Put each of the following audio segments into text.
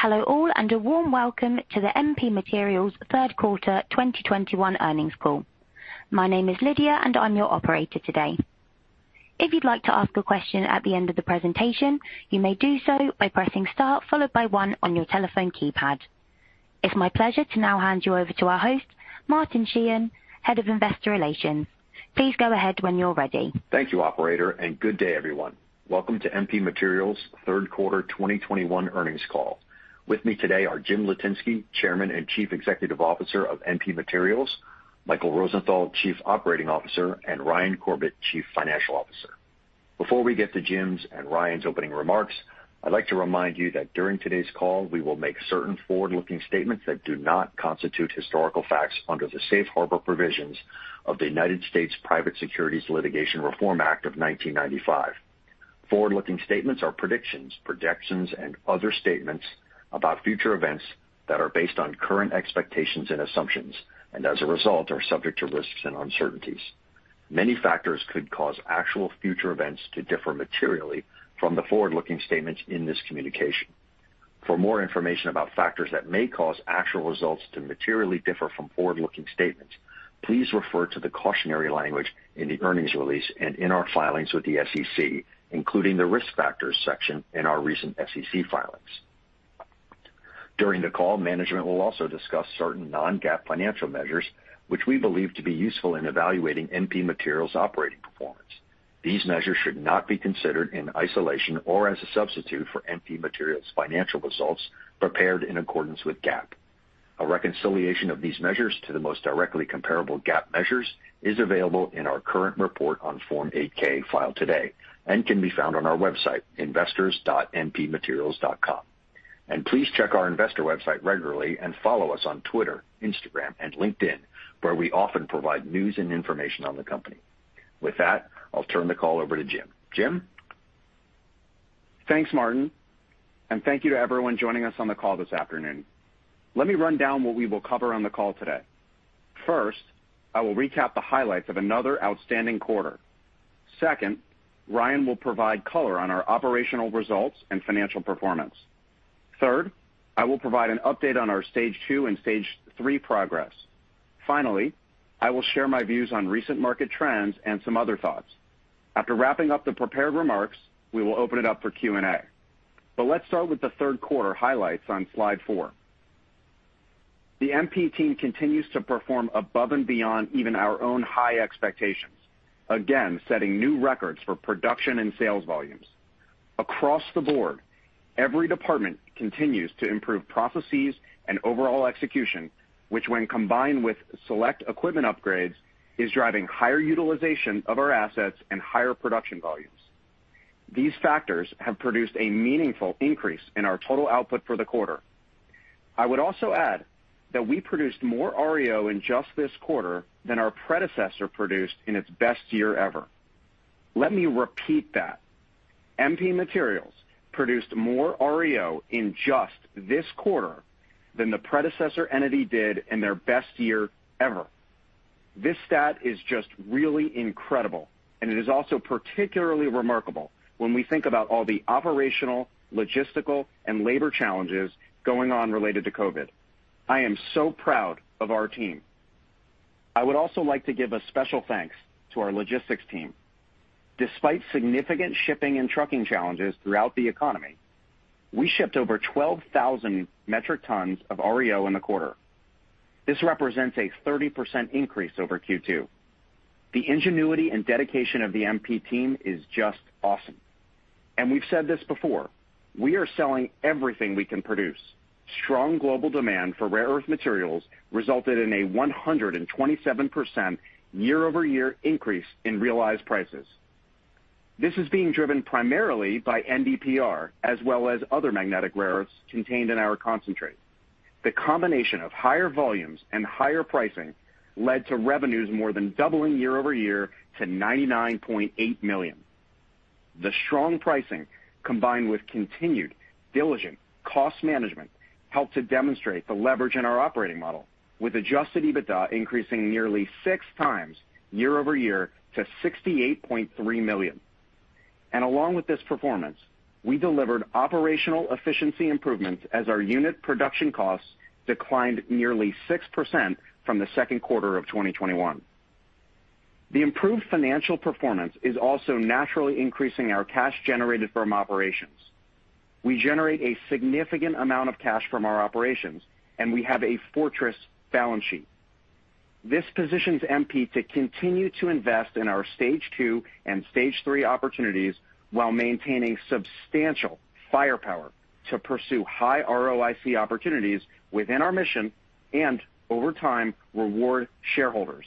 Hello all, and a warm welcome to the MP Materials third quarter 2021 earnings call. My name is Lydia, and I'm your operator today. If you'd like to ask a question at the end of the presentation, you may do so by pressing star followed by one on your telephone keypad. It's my pleasure to now hand you over to our host, Martin Sheehan, Head of Investor Relations. Please go ahead when you're ready. Thank you, operator, and good day, everyone. Welcome to MP Materials third quarter 2021 earnings call. With me today are Jim Litinsky, Chairman and Chief Executive Officer of MP Materials, Michael Rosenthal, Chief Operating Officer, and Ryan Corbett, Chief Financial Officer. Before we get to Jim's and Ryan's opening remarks, I'd like to remind you that during today's call, we will make certain forward-looking statements that do not constitute historical facts under the safe harbor provisions of the United States Private Securities Litigation Reform Act of 1995. Forward-looking statements are predictions, projections, and other statements about future events that are based on current expectations and assumptions, and as a result, are subject to risks and uncertainties. Many factors could cause actual future events to differ materially from the forward-looking statements in this communication. For more information about factors that may cause actual results to materially differ from forward-looking statements, please refer to the cautionary language in the earnings release and in our filings with the SEC, including the Risk Factors section in our recent SEC filings. During the call, management will also discuss certain non-GAAP financial measures which we believe to be useful in evaluating MP Materials' operating performance. These measures should not be considered in isolation or as a substitute for MP Materials' financial results prepared in accordance with GAAP. A reconciliation of these measures to the most directly comparable GAAP measures is available in our current report on Form 8-K filed today and can be found on our website, investors.mpmaterials.com. Please check our investor website regularly and follow us on Twitter, Instagram, and LinkedIn, where we often provide news and information on the company. With that, I'll turn the call over to Jim. Jim? Thanks, Martin, and thank you to everyone joining us on the call this afternoon. Let me run down what we will cover on the call today. First, I will recap the highlights of another outstanding quarter. Second, Ryan will provide color on our operational results and financial performance. Third, I will provide an update on our Stage II and Stage III progress. Finally, I will share my views on recent market trends and some other thoughts. After wrapping up the prepared remarks, we will open it up for Q&A. Let's start with the third quarter highlights on Slide 4. The MP team continues to perform above and beyond even our own high expectations, again setting new records for production and sales volumes. Across the board, every department continues to improve processes and overall execution, which when combined with select equipment upgrades, is driving higher utilization of our assets and higher production volumes. These factors have produced a meaningful increase in our total output for the quarter. I would also add that we produced more REO in just this quarter than our predecessor produced in its best year ever. Let me repeat that. MP Materials produced more REO in just this quarter than the predecessor entity did in their best year ever. This stat is just really incredible, and it is also particularly remarkable when we think about all the operational, logistical, and labor challenges going on related to COVID. I am so proud of our team. I would also like to give a special thanks to our logistics team. Despite significant shipping and trucking challenges throughout the economy, we shipped over 12,000 metric tons of REO in the quarter. This represents a 30% increase over Q2. The ingenuity and dedication of the MP team is just awesome. We've said this before, we are selling everything we can produce. Strong global demand for rare earth materials resulted in a 127% year-over-year increase in realized prices. This is being driven primarily by NdPr, as well as other magnetic rare earths contained in our concentrate. The combination of higher volumes and higher pricing led to revenues more than doubling year-over-year to $99.8 million. The strong pricing, combined with continued diligent cost management, helped to demonstrate the leverage in our operating model, with adjusted EBITDA increasing nearly 6x year-over-year to $68.3 million. Along with this performance, we delivered operational efficiency improvements as our unit production costs declined nearly 6% from the second quarter of 2021. The improved financial performance is also naturally increasing our cash generated from operations. We generate a significant amount of cash from our operations, and we have a fortress balance sheet. This positions MP to continue to invest in our Stage II and Stage III opportunities while maintaining substantial firepower to pursue high ROIC opportunities within our mission and over time reward shareholders.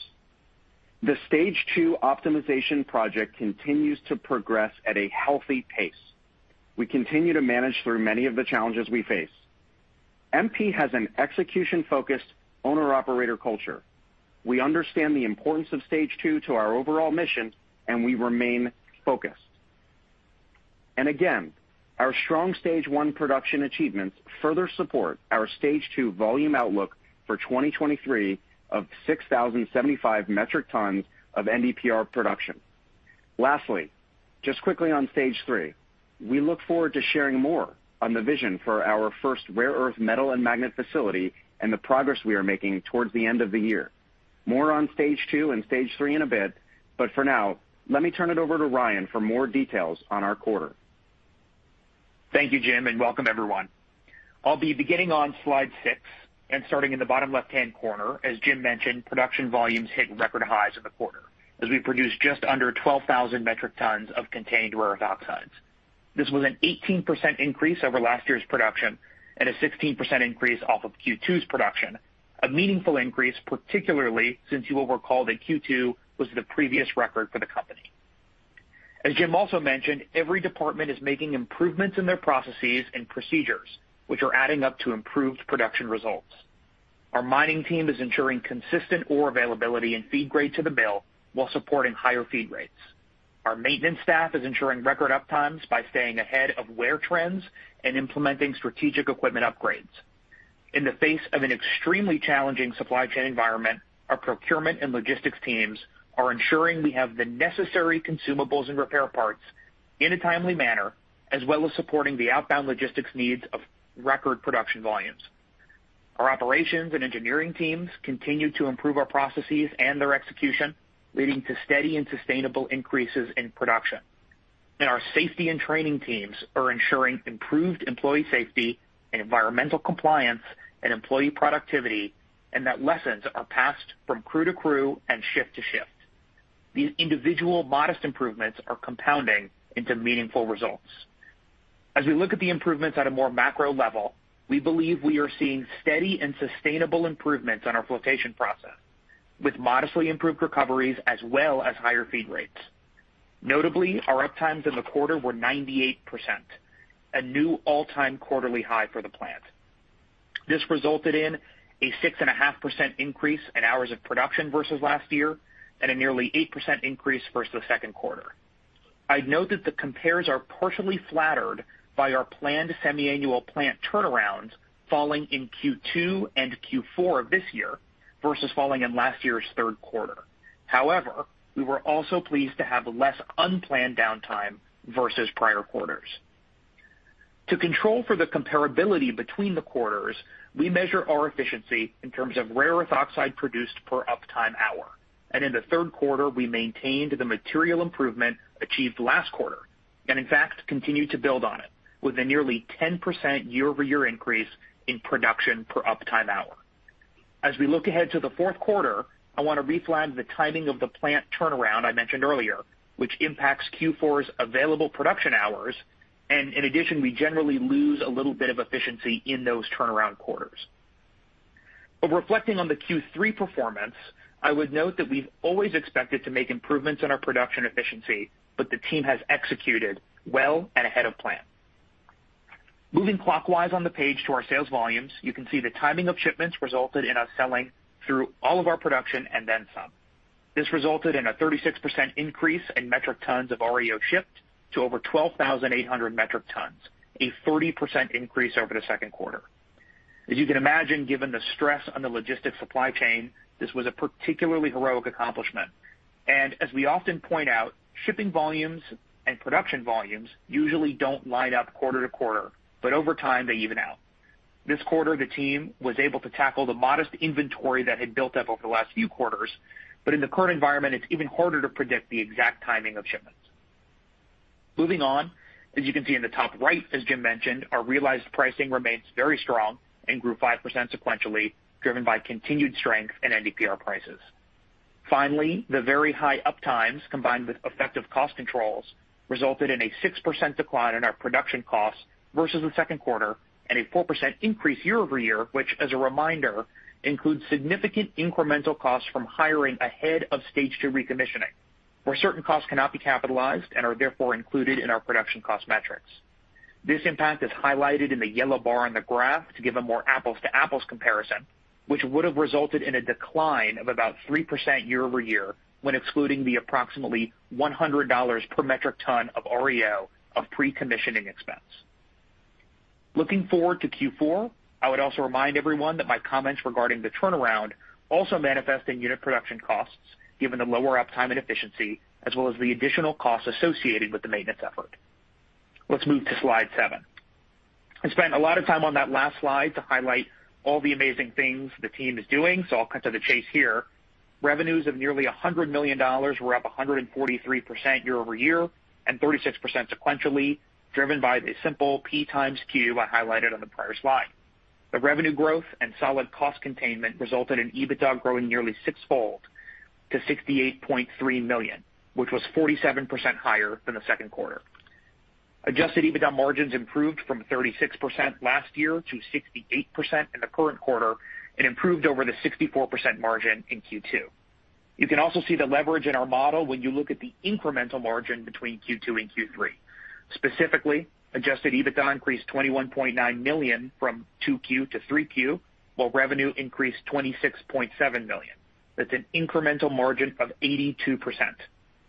The Stage II optimization project continues to progress at a healthy pace. We continue to manage through many of the challenges we face. MP has an execution-focused owner-operator culture. We understand the importance of Stage II to our overall mission, and we remain focused. Our strong Stage I production achievements further support our Stage II volume outlook for 2023 of 6,075 metric tons of NdPr production. Lastly, just quickly on Stage III. We look forward to sharing more on the vision for our first rare earth metal and magnet facility and the progress we are making towards the end of the year. More on Stage II and Stage III in a bit, but for now, let me turn it over to Ryan for more details on our quarter. Thank you, Jim, and welcome everyone. I'll be beginning on Slide 6 and starting in the bottom left-hand corner. As Jim mentioned, production volumes hit record highs in the quarter as we produced just under 12,000 metric tons of contained rare earth oxides. This was an 18% increase over last year's production and a 16% increase off of Q2's production. A meaningful increase, particularly since you will recall that Q2 was the previous record for the company. As Jim also mentioned, every department is making improvements in their processes and procedures, which are adding up to improved production results. Our mining team is ensuring consistent ore availability and feed grade to the mill while supporting higher feed rates. Our maintenance staff is ensuring record uptimes by staying ahead of wear trends and implementing strategic equipment upgrades. In the face of an extremely challenging supply chain environment, our procurement and logistics teams are ensuring we have the necessary consumables and repair parts in a timely manner, as well as supporting the outbound logistics needs of record production volumes. Our operations and engineering teams continue to improve our processes and their execution, leading to steady and sustainable increases in production. Our safety and training teams are ensuring improved employee safety and environmental compliance and employee productivity, and that lessons are passed from crew to crew and shift to shift. These individual modest improvements are compounding into meaningful results. As we look at the improvements at a more macro level, we believe we are seeing steady and sustainable improvements on our flotation process, with modestly improved recoveries as well as higher feed rates. Notably, our uptimes in the quarter were 98%, a new all-time quarterly high for the plant. This resulted in a 6.5% increase in hours of production versus last year and a nearly 8% increase versus second quarter. I'd note that the compares are partially flattered by our planned semiannual plant turnaround falling in Q2 and Q4 of this year versus falling in last year's third quarter. However, we were also pleased to have less unplanned downtime versus prior quarters. To control for the comparability between the quarters, we measure our efficiency in terms of rare earth oxide produced per uptime hour. In the third quarter, we maintained the material improvement achieved last quarter, and in fact, continued to build on it with a nearly 10% year-over-year increase in production per uptime hour. As we look ahead to the fourth quarter, I wanna reflag the timing of the plant turnaround I mentioned earlier, which impacts Q4's available production hours. In addition, we generally lose a little bit of efficiency in those turnaround quarters. Reflecting on the Q3 performance, I would note that we've always expected to make improvements in our production efficiency, but the team has executed well and ahead of plan. Moving clockwise on the page to our sales volumes, you can see the timing of shipments resulted in us selling through all of our production and then some. This resulted in a 36% increase in metric tons of REO shipped to over 12,800 metric tons, a 30% increase over the second quarter. As you can imagine, given the stress on the logistics supply chain, this was a particularly heroic accomplishment. As we often point out, shipping volumes and production volumes usually don't line up quarter to quarter, but over time, they even out. This quarter, the team was able to tackle the modest inventory that had built up over the last few quarters, but in the current environment, it's even harder to predict the exact timing of shipments. Moving on, as you can see in the top right, as Jim mentioned, our realized pricing remains very strong and grew 5% sequentially, driven by continued strength in NdPr prices. Finally, the very high uptimes combined with effective cost controls resulted in a 6% decline in our production costs versus the second quarter and a 4% increase year-over-year, which as a reminder, includes significant incremental costs from hiring ahead of Stage II recommissioning, where certain costs cannot be capitalized and are therefore included in our production cost metrics. This impact is highlighted in the yellow bar on the graph to give a more apples-to-apples comparison, which would have resulted in a decline of about 3% year-over-year when excluding the approximately $100 per metric ton of REO of pre-commissioning expense. Looking forward to Q4, I would also remind everyone that my comments regarding the turnaround also manifest in unit production costs, given the lower uptime and efficiency, as well as the additional costs associated with the maintenance effort. Let's move to Slide 7. I spent a lot of time on that last slide to highlight all the amazing things the team is doing, so I'll cut to the chase here. Revenues of nearly $100 million were up 143% year-over-year and 36% sequentially, driven by the simple P x Q I highlighted on the prior slide. The revenue growth and solid cost containment resulted in EBITDA growing nearly six-fold to $68.3 million, which was 47% higher than the second quarter. Adjusted EBITDA margins improved from 36% last year to 68% in the current quarter and improved over the 64% margin in Q2. You can also see the leverage in our model when you look at the incremental margin between Q2 and Q3. Specifically, adjusted EBITDA increased $21.9 million from 2Q to 3Q, while revenue increased $26.7 million. That's an incremental margin of 82%.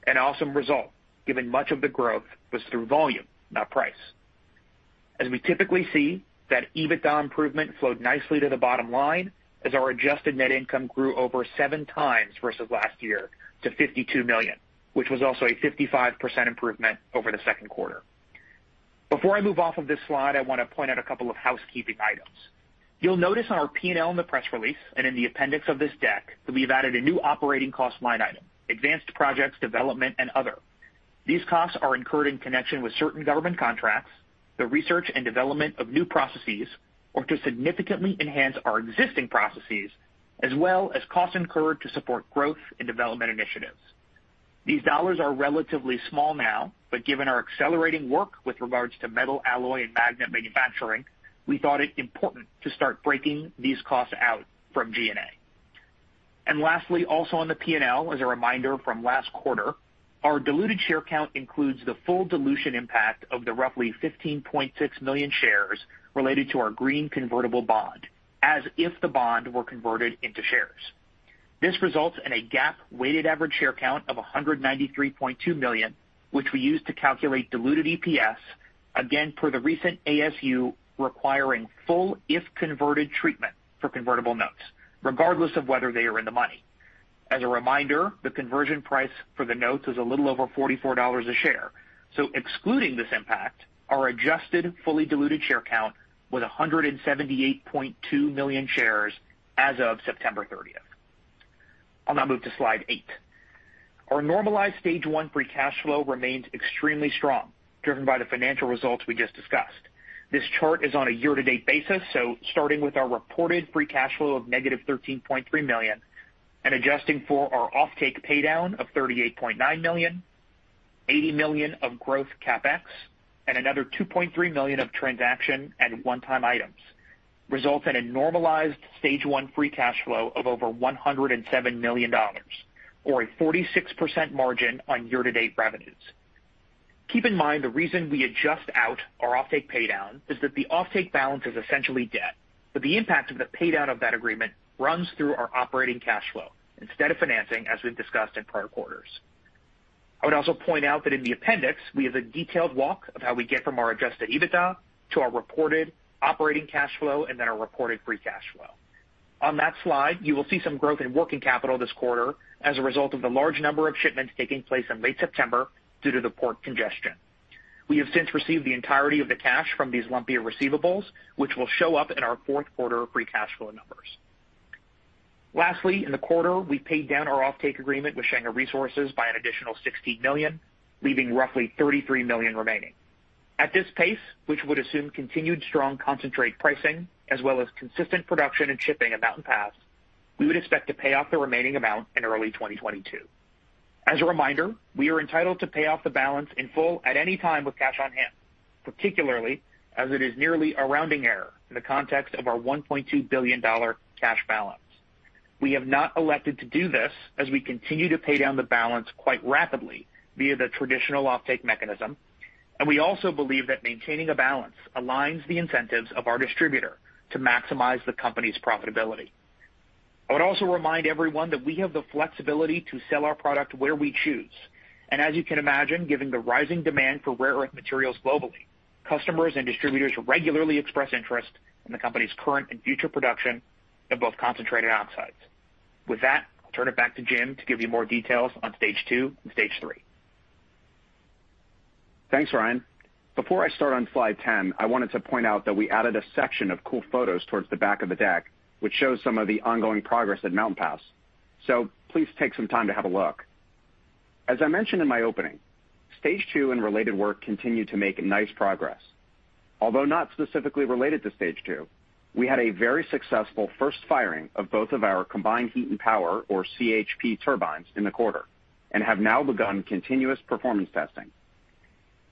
An awesome result given much of the growth was through volume, not price. As we typically see, that EBITDA improvement flowed nicely to the bottom line as our adjusted net income grew over 7x versus last year to $52 million, which was also a 55% improvement over the second quarter. Before I move off of this slide, I wanna point out a couple of housekeeping items. You'll notice on our P&L in the press release and in the appendix of this deck that we've added a new operating cost line item, advanced projects development and other. These costs are incurred in connection with certain government contracts, the research and development of new processes, or to significantly enhance our existing processes, as well as costs incurred to support growth and development initiatives. These dollars are relatively small now, but given our accelerating work with regards to metal alloy and magnet manufacturing, we thought it important to start breaking these costs out from G&A. Lastly, also on the P&L, as a reminder from last quarter, our diluted share count includes the full dilution impact of the roughly 15.6 million shares related to our green convertible bond as if the bond were converted into shares. This results in a GAAP weighted average share count of 193.2 million, which we use to calculate diluted EPS, again, per the recent ASU requiring full if converted treatment for convertible notes, regardless of whether they are in the money. As a reminder, the conversion price for the notes is a little over $44 a share. Excluding this impact, our adjusted fully diluted share count was 178.2 million shares as of September 30th. I'll now move to Slide 8. Our normalized Stage I free cash flow remains extremely strong, driven by the financial results we just discussed. This chart is on a year-to-date basis, so starting with our reported free cash flow of -$13.3 million and adjusting for our offtake paydown of $38.9 million, $80 million of growth CapEx, and another $2.3 million of transaction and one-time items results in a normalized Stage I free cash flow of over $107 million or a 46% margin on year-to-date revenues. Keep in mind the reason we adjust out our offtake paydown is that the offtake balance is essentially debt, but the impact of the paydown of that agreement runs through our operating cash flow instead of financing as we've discussed in prior quarters. I would also point out that in the appendix we have a detailed walk of how we get from our adjusted EBITDA to our reported operating cash flow and then our reported free cash flow. On that slide, you will see some growth in working capital this quarter as a result of the large number of shipments taking place in late September due to the port congestion. We have since received the entirety of the cash from these lumpier receivables, which will show up in our fourth quarter free cash flow numbers. Lastly, in the quarter, we paid down our offtake agreement with Shenghe Resources by an additional $16 million, leaving roughly $33 million remaining. At this pace, which would assume continued strong concentrate pricing as well as consistent production and shipping at Mountain Pass, we would expect to pay off the remaining amount in early 2022. As a reminder, we are entitled to pay off the balance in full at any time with cash on hand, particularly as it is nearly a rounding error in the context of our $1.2 billion cash balance. We have not elected to do this as we continue to pay down the balance quite rapidly via the traditional offtake mechanism, and we also believe that maintaining a balance aligns the incentives of our distributor to maximize the company's profitability. I would also remind everyone that we have the flexibility to sell our product where we choose. As you can imagine, given the rising demand for rare earth materials globally, customers and distributors regularly express interest in the company's current and future production of both concentrated oxides. With that, I'll turn it back to Jim to give you more details on Stage II and Stage III. Thanks, Ryan. Before I start on Slide 10, I wanted to point out that we added a section of cool photos towards the back of the deck, which shows some of the ongoing progress at Mountain Pass. Please take some time to have a look. As I mentioned in my opening, Stage II and related work continued to make nice progress. Although not specifically related to Stage II, we had a very successful first firing of both of our combined heat and power or CHP turbines in the quarter and have now begun continuous performance testing.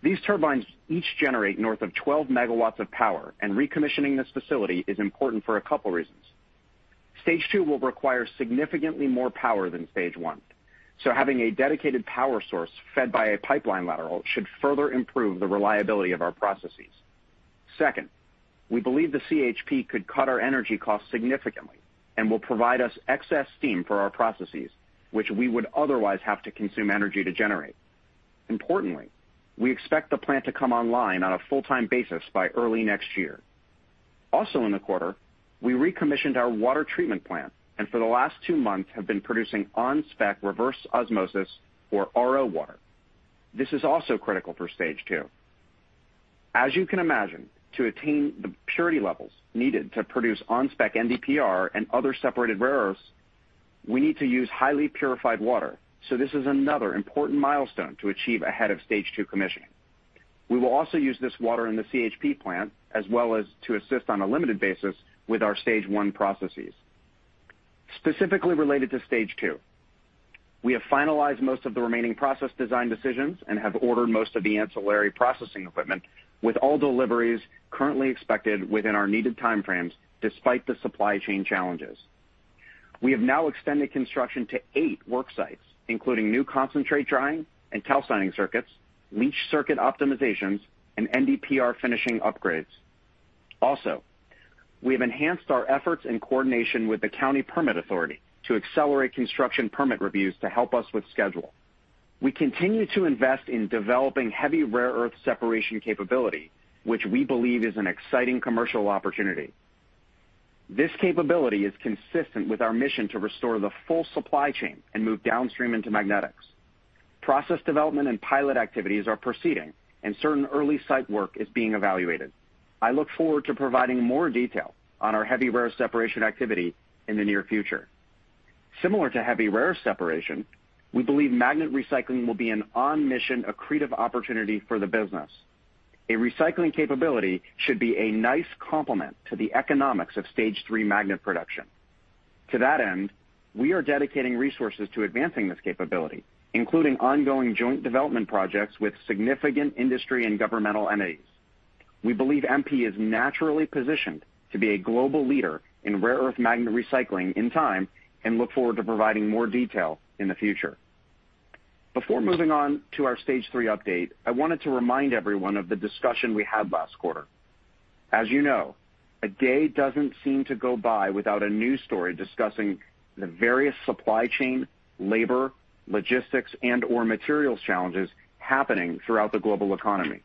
These turbines each generate north of 12 MW of power, and recommissioning this facility is important for a couple reasons. Stage II will require significantly more power than Stage I, so having a dedicated power source fed by a pipeline lateral should further improve the reliability of our processes. Second, we believe the CHP could cut our energy costs significantly and will provide us excess steam for our processes, which we would otherwise have to consume energy to generate. Importantly, we expect the plant to come online on a full-time basis by early next year. Also in the quarter, we recommissioned our water treatment plant, and for the last two months have been producing on-spec reverse osmosis or RO water. This is also critical for Stage II. As you can imagine, to attain the purity levels needed to produce on-spec NdPr and other separated rare earths, we need to use highly purified water, so this is another important milestone to achieve ahead of Stage II commissioning. We will also use this water in the CHP plant as well as to assist on a limited basis with our Stage I processes. Specifically related to Stage II, we have finalized most of the remaining process design decisions and have ordered most of the ancillary processing equipment with all deliveries currently expected within our needed time frames despite the supply chain challenges. We have now extended construction to eight work sites, including new concentrate drying and tailings circuits, leach circuit optimizations, and NdPr finishing upgrades. Also, we have enhanced our efforts and coordination with the county permit authority to accelerate construction permit reviews to help us with schedule. We continue to invest in developing heavy rare earth separation capability, which we believe is an exciting commercial opportunity. This capability is consistent with our mission to restore the full supply chain and move downstream into magnetics. Process development and pilot activities are proceeding, and certain early site work is being evaluated. I look forward to providing more detail on our heavy rare separation activity in the near future. Similar to heavy rare separation, we believe magnet recycling will be an on-mission accretive opportunity for the business. A recycling capability should be a nice complement to the economics of Stage III magnet production. To that end, we are dedicating resources to advancing this capability, including ongoing joint development projects with significant industry and governmental entities. We believe MP is naturally positioned to be a global leader in rare earth magnet recycling in time and look forward to providing more detail in the future. Before moving on to our Stage III update, I wanted to remind everyone of the discussion we had last quarter. As you know, a day doesn't seem to go by without a news story discussing the various supply chain, labor, logistics, and/or materials challenges happening throughout the global economy.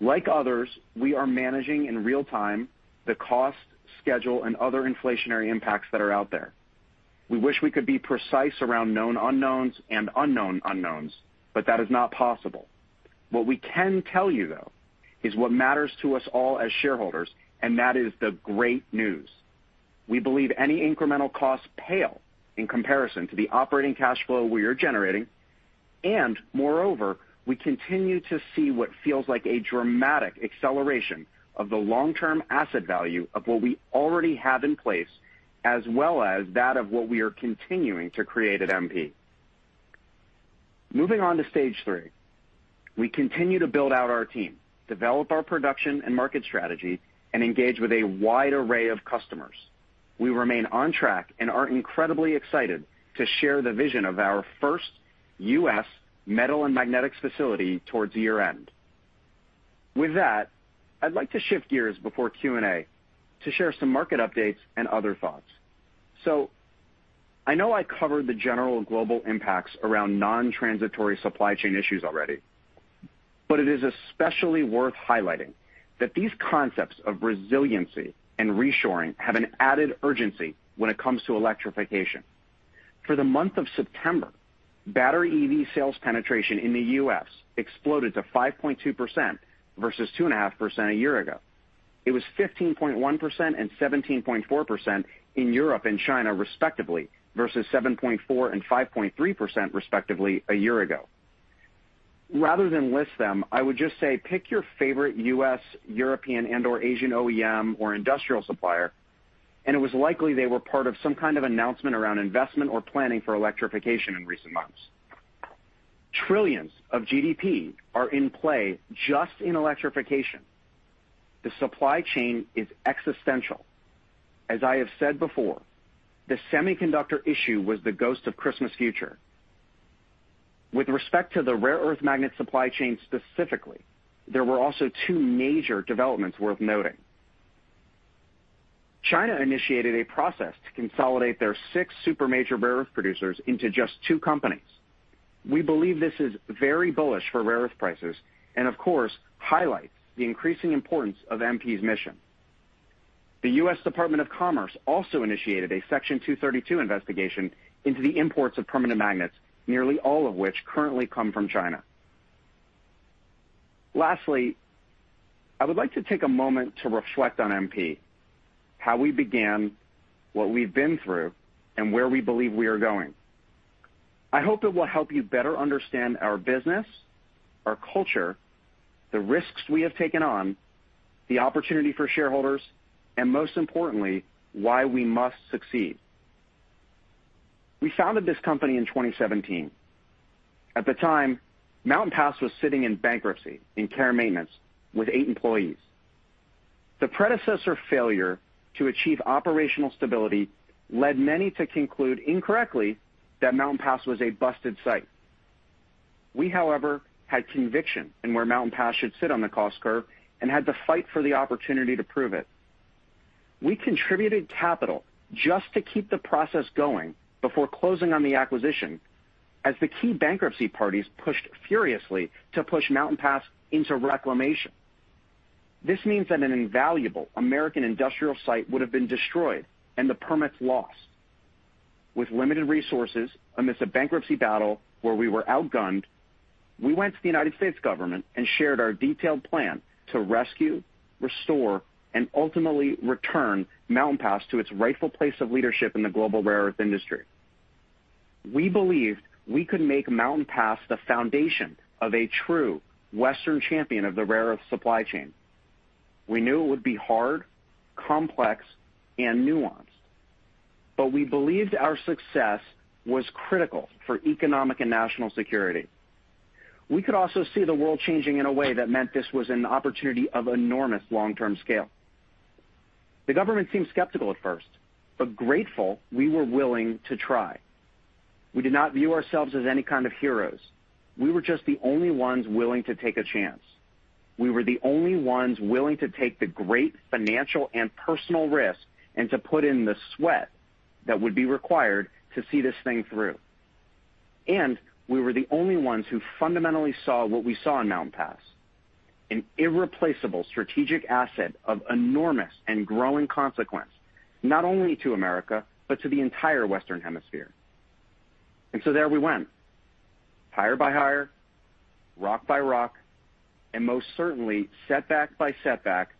Like others, we are managing in real time the cost, schedule, and other inflationary impacts that are out there. We wish we could be precise around known unknowns and unknown unknowns, but that is not possible. What we can tell you, though, is what matters to us all as shareholders, and that is the great news. We believe any incremental costs pale in comparison to the operating cash flow we are generating. Moreover, we continue to see what feels like a dramatic acceleration of the long-term asset value of what we already have in place, as well as that of what we are continuing to create at MP. Moving on to Stage III, we continue to build out our team, develop our production and market strategy, and engage with a wide array of customers. We remain on track and are incredibly excited to share the vision of our first U.S. metal and magnetics facility towards year-end. With that, I'd like to shift gears before Q&A to share some market updates and other thoughts. I know I covered the general global impacts around non-transitory supply chain issues already, but it is especially worth highlighting that these concepts of resiliency and reshoring have an added urgency when it comes to electrification. For the month of September, battery EV sales penetration in the U.S. exploded to 5.2% versus 2.5% a year ago. It was 15.1% and 17.4% in Europe and China, respectively, versus 7.4% and 5.3% respectively a year ago. Rather than list them, I would just say pick your favorite U.S., European, and/or Asian OEM or industrial supplier, and it was likely they were part of some kind of announcement around investment or planning for electrification in recent months. Trillions of GDP are in play just in electrification. The supply chain is existential. As I have said before, the semiconductor issue was the ghost of Christmas future. With respect to the rare earth magnet supply chain specifically, there were also two major developments worth noting. China initiated a process to consolidate their six super major rare earth producers into just two companies. We believe this is very bullish for rare earth prices and of course, highlights the increasing importance of MP's mission. The U.S. Department of Commerce also initiated a Section 232 investigation into the imports of permanent magnets, nearly all of which currently come from China. Lastly, I would like to take a moment to reflect on MP, how we began, what we've been through, and where we believe we are going. I hope it will help you better understand our business, our culture, the risks we have taken on, the opportunity for shareholders, and most importantly, why we must succeed. We founded this company in 2017. At the time, Mountain Pass was sitting in bankruptcy in care maintenance with eight employees. The predecessor failure to achieve operational stability led many to conclude incorrectly that Mountain Pass was a busted site. We, however, had conviction in where Mountain Pass should sit on the cost curve and had to fight for the opportunity to prove it. We contributed capital just to keep the process going before closing on the acquisition as the key bankruptcy parties pushed furiously to push Mountain Pass into reclamation. This means that an invaluable American industrial site would have been destroyed and the permits lost. With limited resources amidst a bankruptcy battle where we were outgunned, we went to the United States government and shared our detailed plan to rescue, restore, and ultimately return Mountain Pass to its rightful place of leadership in the global rare earth industry. We believed we could make Mountain Pass the foundation of a true Western champion of the rare earth supply chain. We knew it would be hard, complex, and nuanced, but we believed our success was critical for economic and national security. We could also see the world changing in a way that meant this was an opportunity of enormous long-term scale. The government seemed skeptical at first, but grateful we were willing to try. We did not view ourselves as any kind of heroes. We were just the only ones willing to take a chance. We were the only ones willing to take the great financial and personal risk and to put in the sweat that would be required to see this thing through. We were the only ones who fundamentally saw what we saw in Mountain Pass, an irreplaceable strategic asset of enormous and growing consequence, not only to America, but to the entire Western Hemisphere. There we went. Hire by hire, rock by rock, and most certainly setback by setback,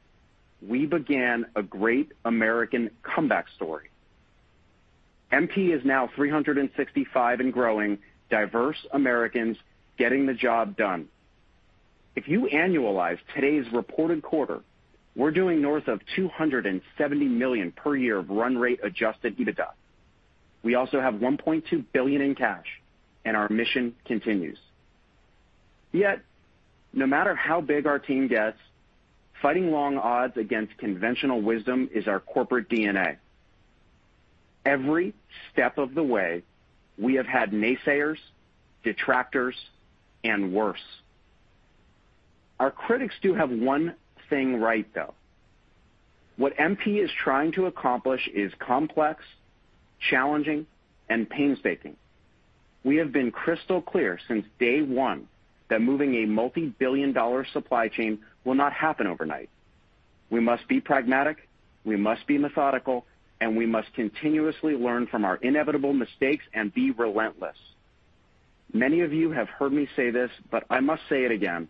we began a great American comeback story. MP is now 365 and growing diverse Americans getting the job done. If you annualize today's reported quarter, we're doing north of $270 million per year of run rate adjusted EBITDA. We also have $1.2 billion in cash, and our mission continues. Yet, no matter how big our team gets, fighting long odds against conventional wisdom is our corporate DNA. Every step of the way, we have had naysayers, detractors, and worse. Our critics do have one thing right, though. What MP is trying to accomplish is complex, challenging, and painstaking. We have been crystal clear since day one that moving a multi-billion dollar supply chain will not happen overnight. We must be pragmatic, we must be methodical, and we must continuously learn from our inevitable mistakes and be relentless. Many of you have heard me say this, but I must say it again.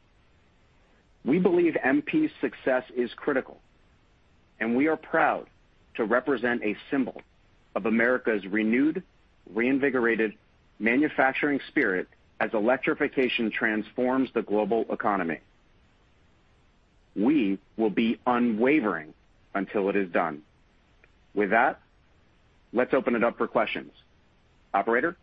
We believe MP's success is critical, and we are proud to represent a symbol of America's renewed, reinvigorated manufacturing spirit as electrification transforms the global economy. We will be unwavering until it is done. With that, let's open it up for questions. Operator?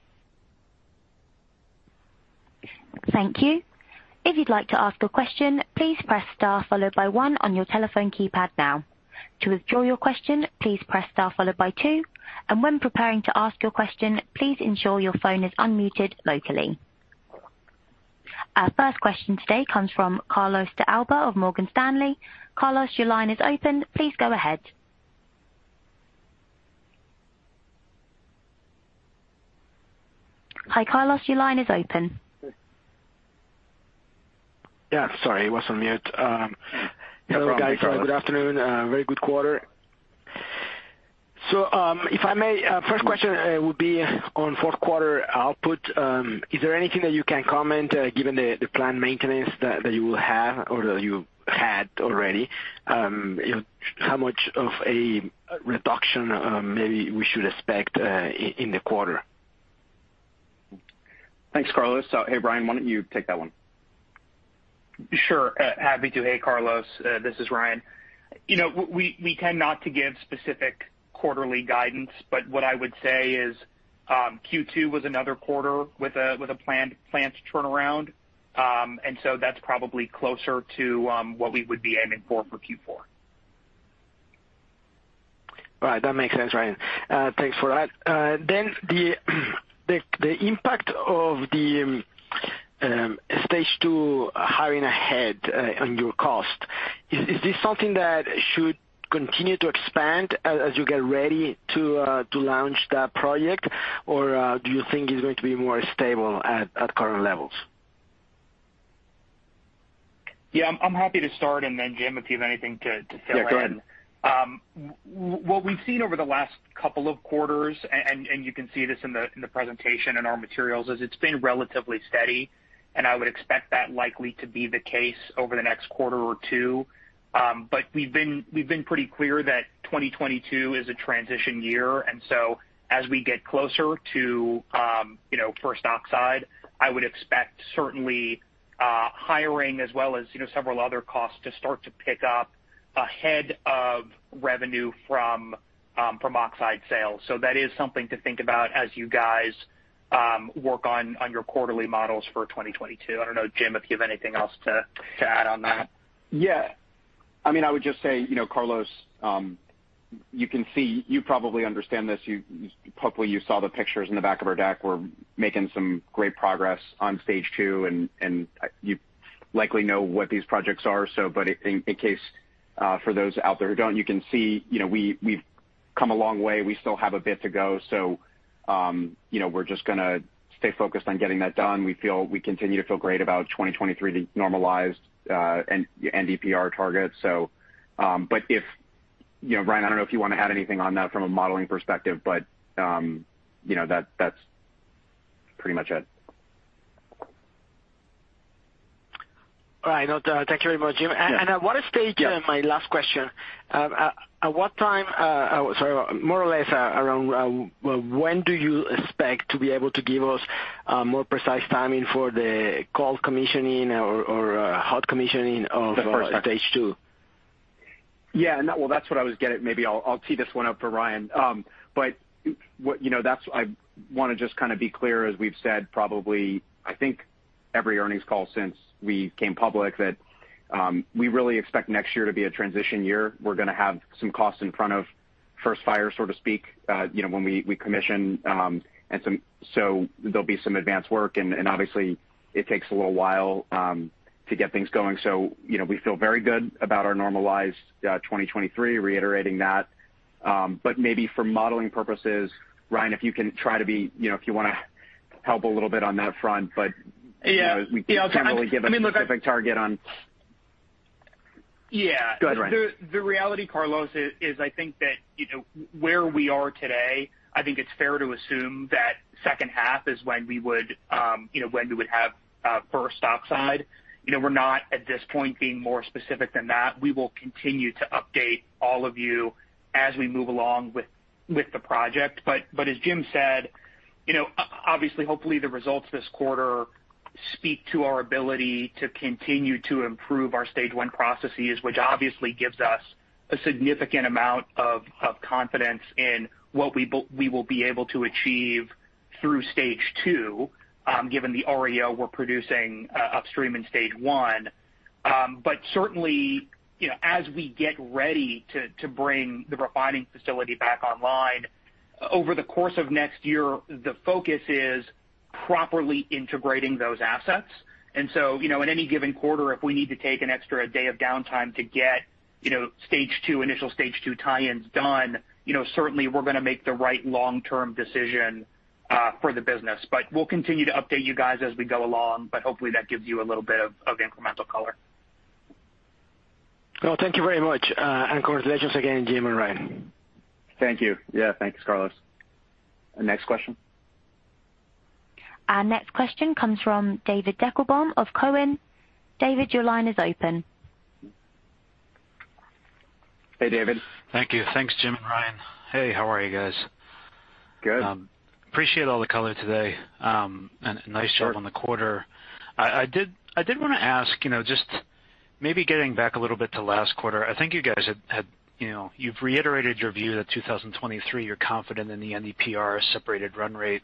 Our first question today comes from Carlos de Alba of Morgan Stanley. Carlos, your line is open. Please go ahead. Hi, Carlos, your line is open. Yeah, sorry, I was on mute. Hello, guys. Good afternoon. Very good quarter. If I may, first question will be on fourth quarter output. Is there anything that you can comment on, given the planned maintenance that you will have or that you had already? How much of a reduction maybe we should expect in the quarter? Thanks, Carlos. Hey, Ryan, why don't you take that one? Sure. Happy to. Hey, Carlos, this is Ryan. You know, we tend not to give specific quarterly guidance, but what I would say is Q2 was another quarter with a plant's turnaround. That's probably closer to what we would be aiming for Q4. Right. That makes sense, Ryan. Thanks for that. The impact of the Stage II hiring ahead on your cost. Is this something that should continue to expand as you get ready to launch that project? Or do you think it's going to be more stable at current levels? Yeah, I'm happy to start, and then, Jim, if you have anything to fill in? Yeah, go ahead. What we've seen over the last couple of quarters, and you can see this in the presentation in our materials, is it's been relatively steady, and I would expect that likely to be the case over the next quarter or two. We've been pretty clear that 2022 is a transition year. As we get closer to, you know, first oxide, I would expect certainly hiring as well as, you know, several other costs to start to pick up ahead of revenue from oxide sales. That is something to think about as you guys work on your quarterly models for 2022. I don't know, Jim, if you have anything else to add on that? Yeah. I mean, I would just say, you know, Carlos, you can see you probably understand this. Hopefully you saw the pictures in the back of our deck. We're making some great progress on Stage II, and you likely know what these projects are. In case for those out there who don't, you can see, you know, we've come a long way. We still have a bit to go. You know, we're just gonna stay focused on getting that done. We continue to feel great about 2023 normalized and NdPr targets. If you know, Ryan, I don't know if you want to add anything on that from a modeling perspective? But you know, that's pretty much it. All right. Thank you very much, Jim. Yeah. At what stage? Yeah. My last question. At what time, sorry, more or less around, when do you expect to be able to give us more precise timing for the cold commissioning or hot commissioning of Stage II? Yeah. Well, that's what I was getting. Maybe I'll tee this one up for Ryan. You know, I wanna just kinda be clear, as we've said, probably every earnings call since we came public that we really expect next year to be a transition year. We're gonna have some costs in front of first fire, so to speak, you know, when we commission and there'll be some advanced work and obviously it takes a little while to get things going. You know, we feel very good about our normalized 2023, reiterating that. Maybe for modeling purposes, Ryan, if you can try to be, you know, if you wanna help a little bit on that front? Yeah. We can't really give a specific target on. Yeah. Go ahead, Ryan. The reality, Carlos, is I think that, you know, where we are today, I think it's fair to assume that second half is when we would have first oxide. You know, we're not at this point being more specific than that. We will continue to update all of you as we move along with the project. But as Jim said, you know, obviously, hopefully the results this quarter speak to our ability to continue to improve our Stage I processes, which obviously gives us a significant amount of confidence in what we will be able to achieve through Stage II, given the ore we're producing upstream in Stage I. Certainly, you know, as we get ready to bring the refining facility back online, over the course of next year, the focus is properly integrating those assets. You know, in any given quarter, if we need to take an extra day of downtime to get, you know, Stage II, initial Stage II tie-ins done, you know, certainly we're gonna make the right long-term decision for the business. We'll continue to update you guys as we go along, but hopefully that gives you a little bit of incremental color. Well, thank you very much. Congratulations again, Jim and Ryan. Thank you. Yeah. Thanks, Carlos. Next question? Our next question comes from David Deckelbaum of Cowen. David, your line is open. Hey, David. Thank you. Thanks, Jim and Ryan. Hey, how are you guys? Good. Appreciate all the color today, and nice job on the quarter. I did wanna ask, you know, just maybe getting back a little bit to last quarter. I think you guys had, you know, you've reiterated your view that 2023, you're confident in the NdPr separated run rate.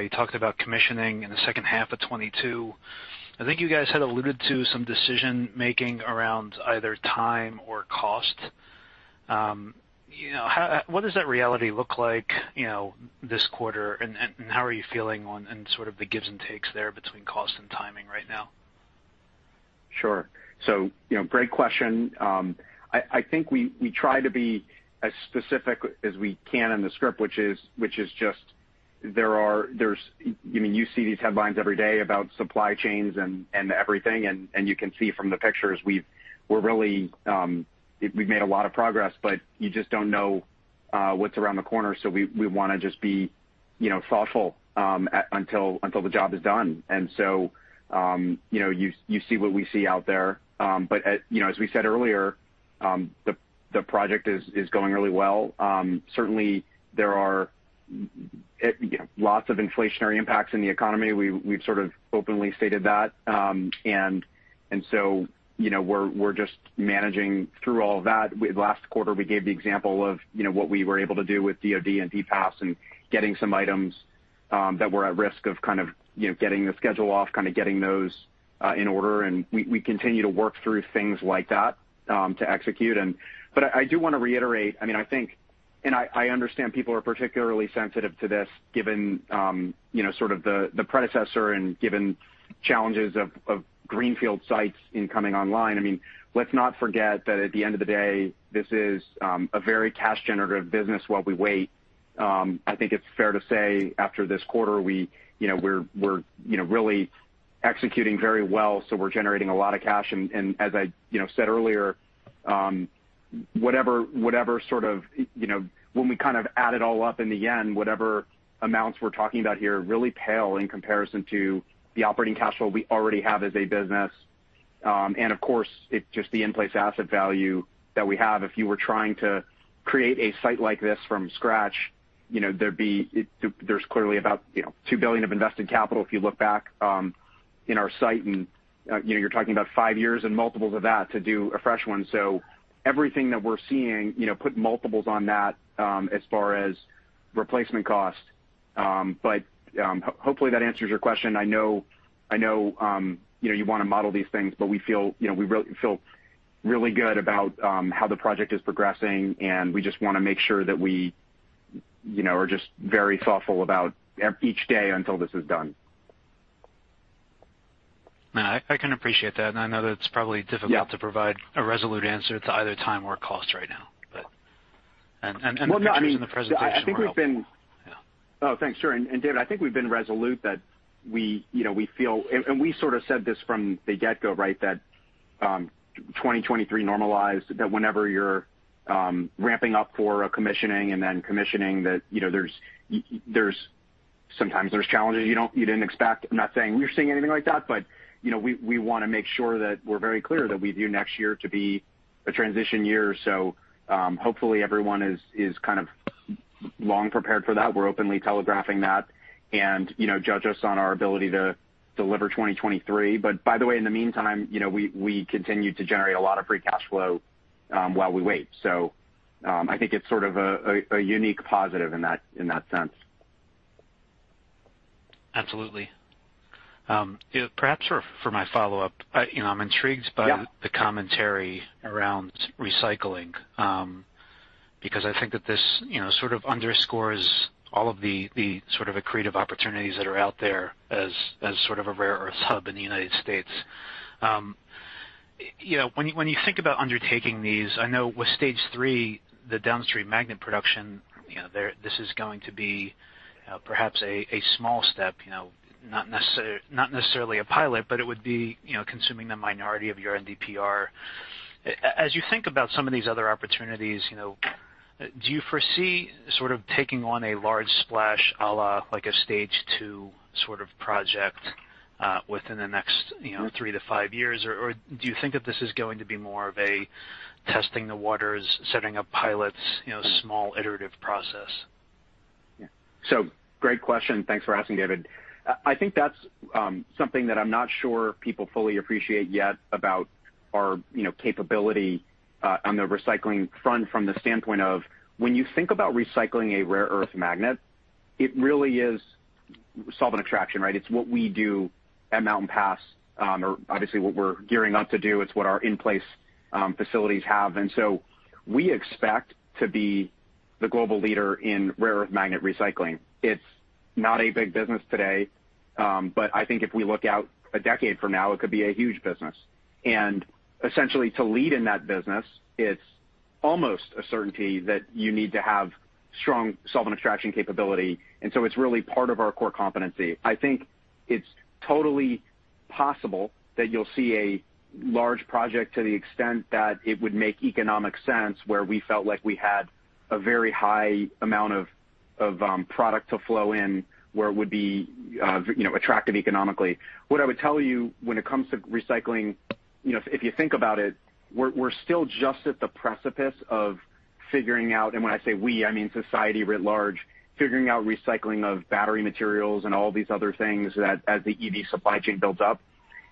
You talked about commissioning in the second half of 2022. I think you guys had alluded to some decision-making around either time or cost. You know, how, what does that reality look like, you know, this quarter and how are you feeling on and sort of the gives and takes there between cost and timing right now? Sure. You know, great question. I think we try to be as specific as we can in the script, which is just, I mean, you see these headlines every day about supply chains and everything. You can see from the pictures we've made a lot of progress, but you just don't know what's around the corner. We wanna just be, you know, thoughtful until the job is done. You know, you see what we see out there. You know, as we said earlier, the project is going really well. Certainly there are lots of inflationary impacts in the economy. We've sort of openly stated that. You know, we're just managing through all of that. Last quarter, we gave the example of, you know, what we were able to do with DoD and DPAS and getting some items that were at risk of kind of, you know, getting the schedule off, kind of getting those in order. We continue to work through things like that to execute. I do wanna reiterate, I mean, I think and I understand people are particularly sensitive to this given, you know, sort of the predecessor and given challenges of greenfield sites in coming online. I mean, let's not forget that at the end of the day, this is a very cash generative business while we wait. I think it's fair to say after this quarter, you know, we're really executing very well, so we're generating a lot of cash. As I you know said earlier, whatever sort of you know when we kind of add it all up in the end, whatever amounts we're talking about here really pale in comparison to the operating cash flow we already have as a business. Of course, it's just the in-place asset value that we have. If you were trying to create a site like this from scratch, you know, there's clearly about, you know, $2 billion of invested capital if you look back in our site. You know, you're talking about five years and multiples of that to do a fresh one. Everything that we're seeing, you know, put multiples on that, as far as replacement cost. Hopefully, that answers your question. I know, you know, you wanna model these things, but we feel, you know, really good about how the project is progressing, and we just wanna make sure that we, you know, are just very thoughtful about each day until this is done. No, I can appreciate that. I know that it's probably difficult. Yeah. To provide a resolute answer to either time or cost right now, but the numbers in the presentation were helpful. I think we've been. Yeah. Oh, thanks. Sure. David, I think we've been resolute that we, you know, we feel and we sort of said this from the get-go, right? That 2023 normalized, that whenever you're ramping up for a commissioning and then commissioning that, you know, there's sometimes challenges you didn't expect. I'm not saying we're seeing anything like that, but, you know, we wanna make sure that we're very clear that we view next year to be a transition year. Hopefully everyone is kind of long prepared for that. We're openly telegraphing that and, you know, judge us on our ability to deliver 2023. By the way, in the meantime, you know, we continue to generate a lot of free cash flow while we wait. I think it's sort of a unique positive in that sense. Absolutely. Perhaps for my follow-up, I, you know, I'm intrigued by- Yeah. The commentary around recycling, because I think that this, you know, sort of underscores all of the sort of accretive opportunities that are out there as sort of a rare earth hub in the United States. You know, when you think about undertaking these, I know with Stage III, the downstream magnet production, you know, this is going to be perhaps a small step, you know, not necessarily a pilot, but it would be, you know, consuming the minority of your NdPr. As you think about some of these other opportunities, you know, do you foresee sort of taking on a large splash a la like a Stage II sort of project within the next, you know, three to five years? Do you think that this is going to be more of a testing the waters, setting up pilots, you know, small iterative process? Great question. Thanks for asking, David. I think that's something that I'm not sure people fully appreciate yet about our, you know, capability on the recycling front from the standpoint of when you think about recycling a rare earth magnet, it really is solvent extraction, right? It's what we do at Mountain Pass or obviously what we're gearing up to do. It's what our in-place facilities have. We expect to be the global leader in rare earth magnet recycling. It's not a big business today, but I think if we look out a decade from now, it could be a huge business. Essentially to lead in that business, it's almost a certainty that you need to have strong solvent extraction capability, and so it's really part of our core competency. I think it's totally possible that you'll see a large project to the extent that it would make economic sense, where we felt like we had a very high amount of product to flow in, where it would be, you know, attractive economically. What I would tell you when it comes to recycling, you know, if you think about it, we're still just at the precipice of figuring out, and when I say we, I mean society writ large, figuring out recycling of battery materials and all these other things that as the EV supply chain builds up.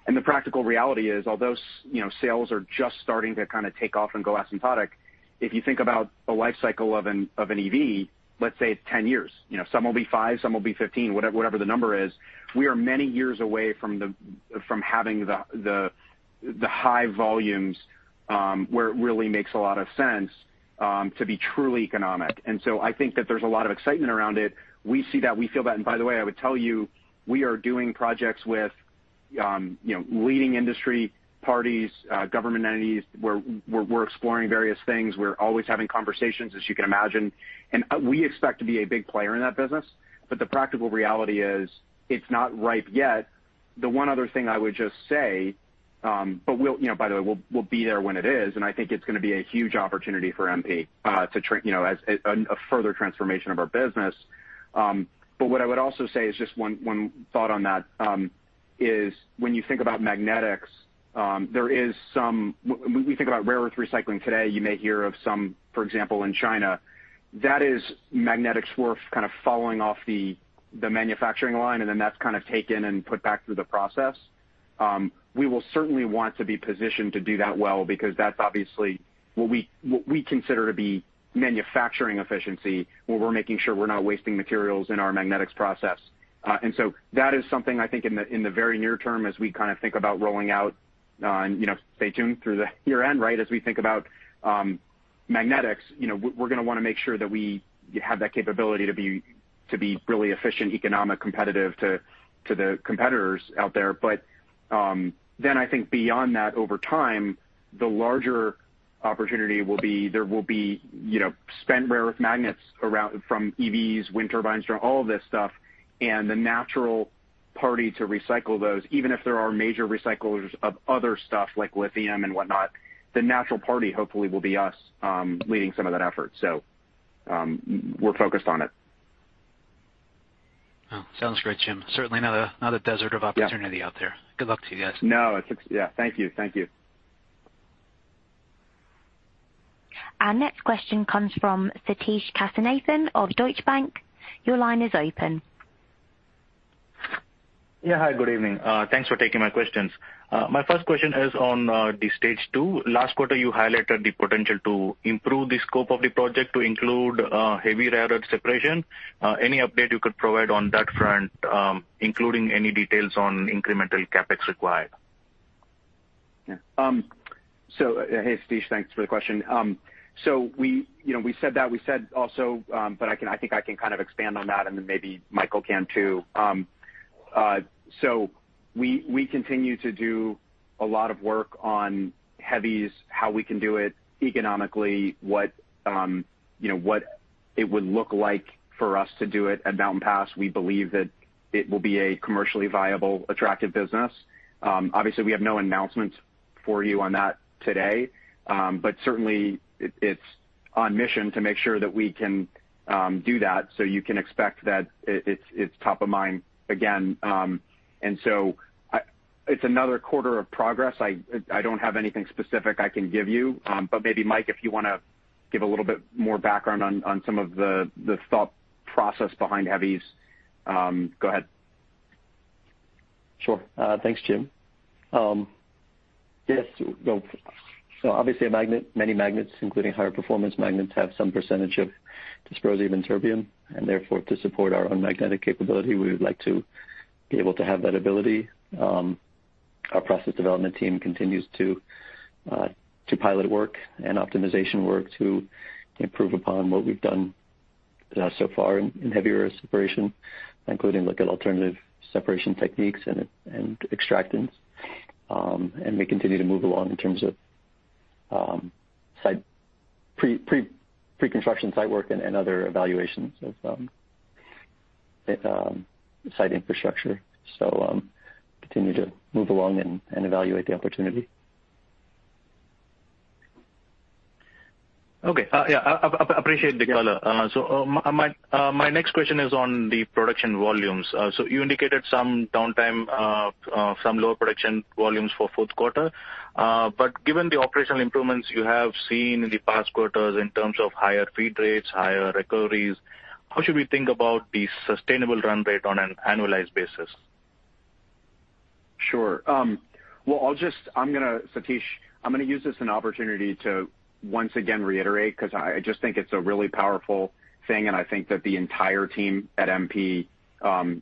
The practical reality is, although you know, sales are just starting to kind of take off and go asymptotic, if you think about the life cycle of an EV, let's say it's 10 years, you know, some will be five, some will be 15, whatever the number is. We are many years away from having the high volumes where it really makes a lot of sense to be truly economic. I think that there's a lot of excitement around it. We see that, we feel that. By the way, I would tell you, we are doing projects with you know, leading industry parties, government entities, we're exploring various things. We're always having conversations, as you can imagine, and we expect to be a big player in that business. The practical reality is it's not ripe yet. The one other thing I would just say, but we'll, you know, by the way, we'll be there when it is, and I think it's gonna be a huge opportunity for MP, you know, as a further transformation of our business. What I would also say is just one thought on that, is when you think about magnetics, there is some, when we think about rare earth recycling today, you may hear of some, for example, in China, that is magnetic swarf kind of falling off the manufacturing line, and then that's kind of taken and put back through the process. We will certainly want to be positioned to do that well because that's obviously what we consider to be manufacturing efficiency, where we're making sure we're not wasting materials in our magnetics process. That is something I think in the very near term as we kind of think about rolling out, you know, stay tuned through the year-end, right? As we think about magnetics, you know, we're gonna wanna make sure that we have that capability to be really efficient, economic, competitive to the competitors out there. Then I think beyond that, over time, the larger opportunity will be, you know, spent rare earth magnets around from EVs, wind turbines, all of this stuff. The natural party to recycle those, even if there are major recyclers of other stuff like lithium and whatnot, the natural party hopefully will be us, leading some of that effort. We're focused on it. Sounds great, Jim. Certainly not a desert of opportunity out there. Good luck to you guys. Yeah. Thank you. Thank you. Our next question comes from Sathish Kasinathan of Deutsche Bank. Your line is open. Yeah. Hi, good evening. Thanks for taking my questions. My first question is on the Stage II. Last quarter, you highlighted the potential to improve the scope of the project to include heavy rare earth separation. Any update you could provide on that front, including any details on incremental CapEx required? Yeah. Hey, Sathish. Thanks for the question. We, you know, we said that. We said also, but I think I can kind of expand on that and then maybe Michael can too. We continue to do a lot of work on heavies, how we can do it economically, what, you know, what it would look like for us to do it at Mountain Pass. We believe that it will be a commercially viable, attractive business. Obviously, we have no announcements for you on that today. But certainly it's on mission to make sure that we can do that, so you can expect that it's top of mind again. It's another quarter of progress. I don't have anything specific I can give you. Maybe, Mike, if you wanna give a little bit more background on some of the thought process behind heavies? Go ahead. Sure. Thanks, Jim. Yes, so obviously a magnet, many magnets, including higher performance magnets, have some percentage of dysprosium and terbium, and therefore, to support our own magnetic capability, we would like to be able to have that ability. Our process development team continues to pilot work and optimization work to improve upon what we've done so far in heavy rare earth separation, including look at alternative separation techniques and extractants. We continue to move along in terms of pre-construction site work and other evaluations of site infrastructure. Continue to move along and evaluate the opportunity. Okay. Yeah, appreciate the color. My next question is on the production volumes. You indicated some downtime, some lower production volumes for fourth quarter. Given the operational improvements you have seen in the past quarters in terms of higher feed rates, higher recoveries, how should we think about the sustainable run rate on an annualized basis? Sure. I'm gonna, Sathish, use this as an opportunity to once again reiterate, 'cause I just think it's a really powerful thing, and I think that the entire team at MP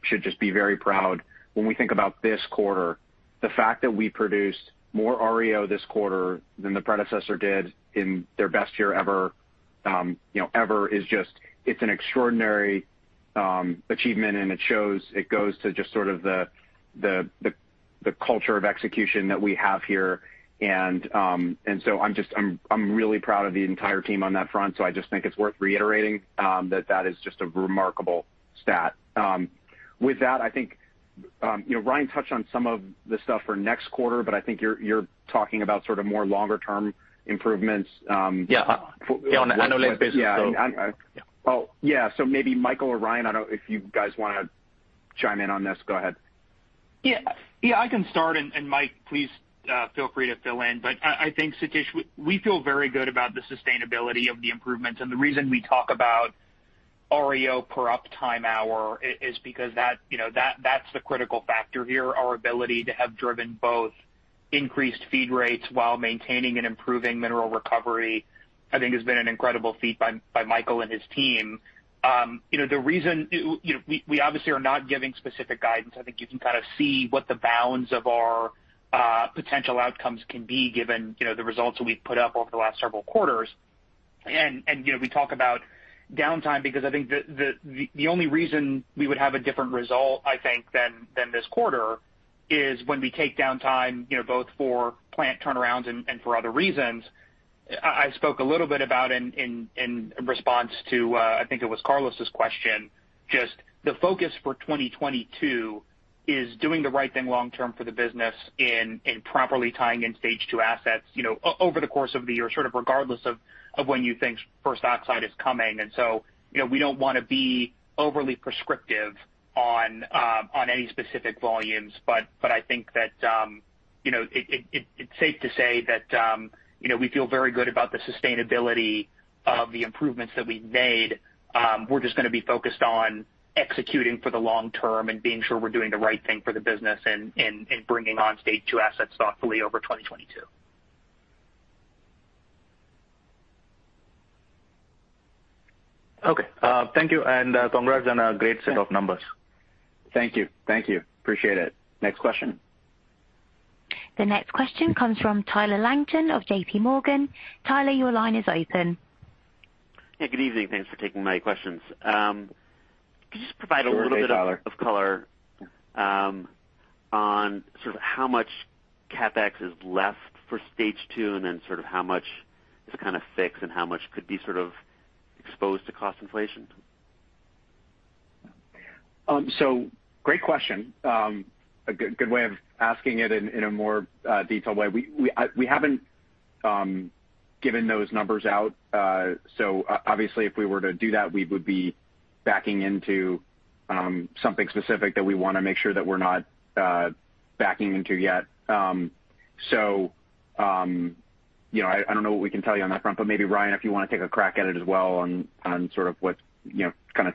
should just be very proud. When we think about this quarter, the fact that we produced more REO this quarter than the predecessor did in their best year ever, you know, is just an extraordinary achievement, and it shows it goes to just sort of the culture of execution that we have here. I'm really proud of the entire team on that front, so I just think it's worth reiterating that is just a remarkable stat. With that, I think, you know, Ryan touched on some of the stuff for next quarter, but I think you're talking about sort of more longer term improvements? Yeah. On an annual basis, so. Yeah. Oh, yeah. Maybe Michael or Ryan, I don't know if you guys wanna chime in on this? Go ahead. I can start, and Mike, please feel free to fill in, but I think Sathish, we feel very good about the sustainability of the improvements. The reason we talk about REO per uptime hour is because, you know, that's the critical factor here. Our ability to have driven both increased feed rates while maintaining and improving mineral recovery, I think, has been an incredible feat by Michael and his team. You know, the reason we obviously are not giving specific guidance. I think you can kind of see what the bounds of our potential outcomes can be given, you know, the results that we've put up over the last several quarters. You know, we talk about downtime because I think the only reason we would have a different result, I think, than this quarter is when we take downtime, you know, both for plant turnarounds and for other reasons. I spoke a little bit about in response to, I think it was Carlos's question, just the focus for 2022 is doing the right thing long term for the business and properly tying in Stage II assets, you know, over the course of the year, sort of regardless of when you think first oxide is coming. You know, we don't wanna be overly prescriptive on any specific volumes, but I think that, you know, it's safe to say that, you know, we feel very good about the sustainability of the improvements that we've made. We're just gonna be focused on executing for the long term and being sure we're doing the right thing for the business and bringing on Stage II assets thoughtfully over 2022. Okay. Thank you, and congrats on a great set of numbers. Thank you. Appreciate it. Next question? The next question comes from Tyler Langton of JPMorgan. Tyler, your line is open. Yeah, good evening. Thanks for taking my questions. Could you just provide a little bit Sure thing, Tyler.... of color, on sort of how much CapEx is left for Stage II and then sort of how much is kinda fixed and how much could be sort of exposed to cost inflation? Great question. A good way of asking it in a more detailed way. We haven't given those numbers out. Obviously, if we were to do that, we would be backing into something specific that we wanna make sure that we're not backing into yet. You know, I don't know what we can tell you on that front? But maybe, Ryan, if you wanna take a crack at it as well on sort of what, you know, kinda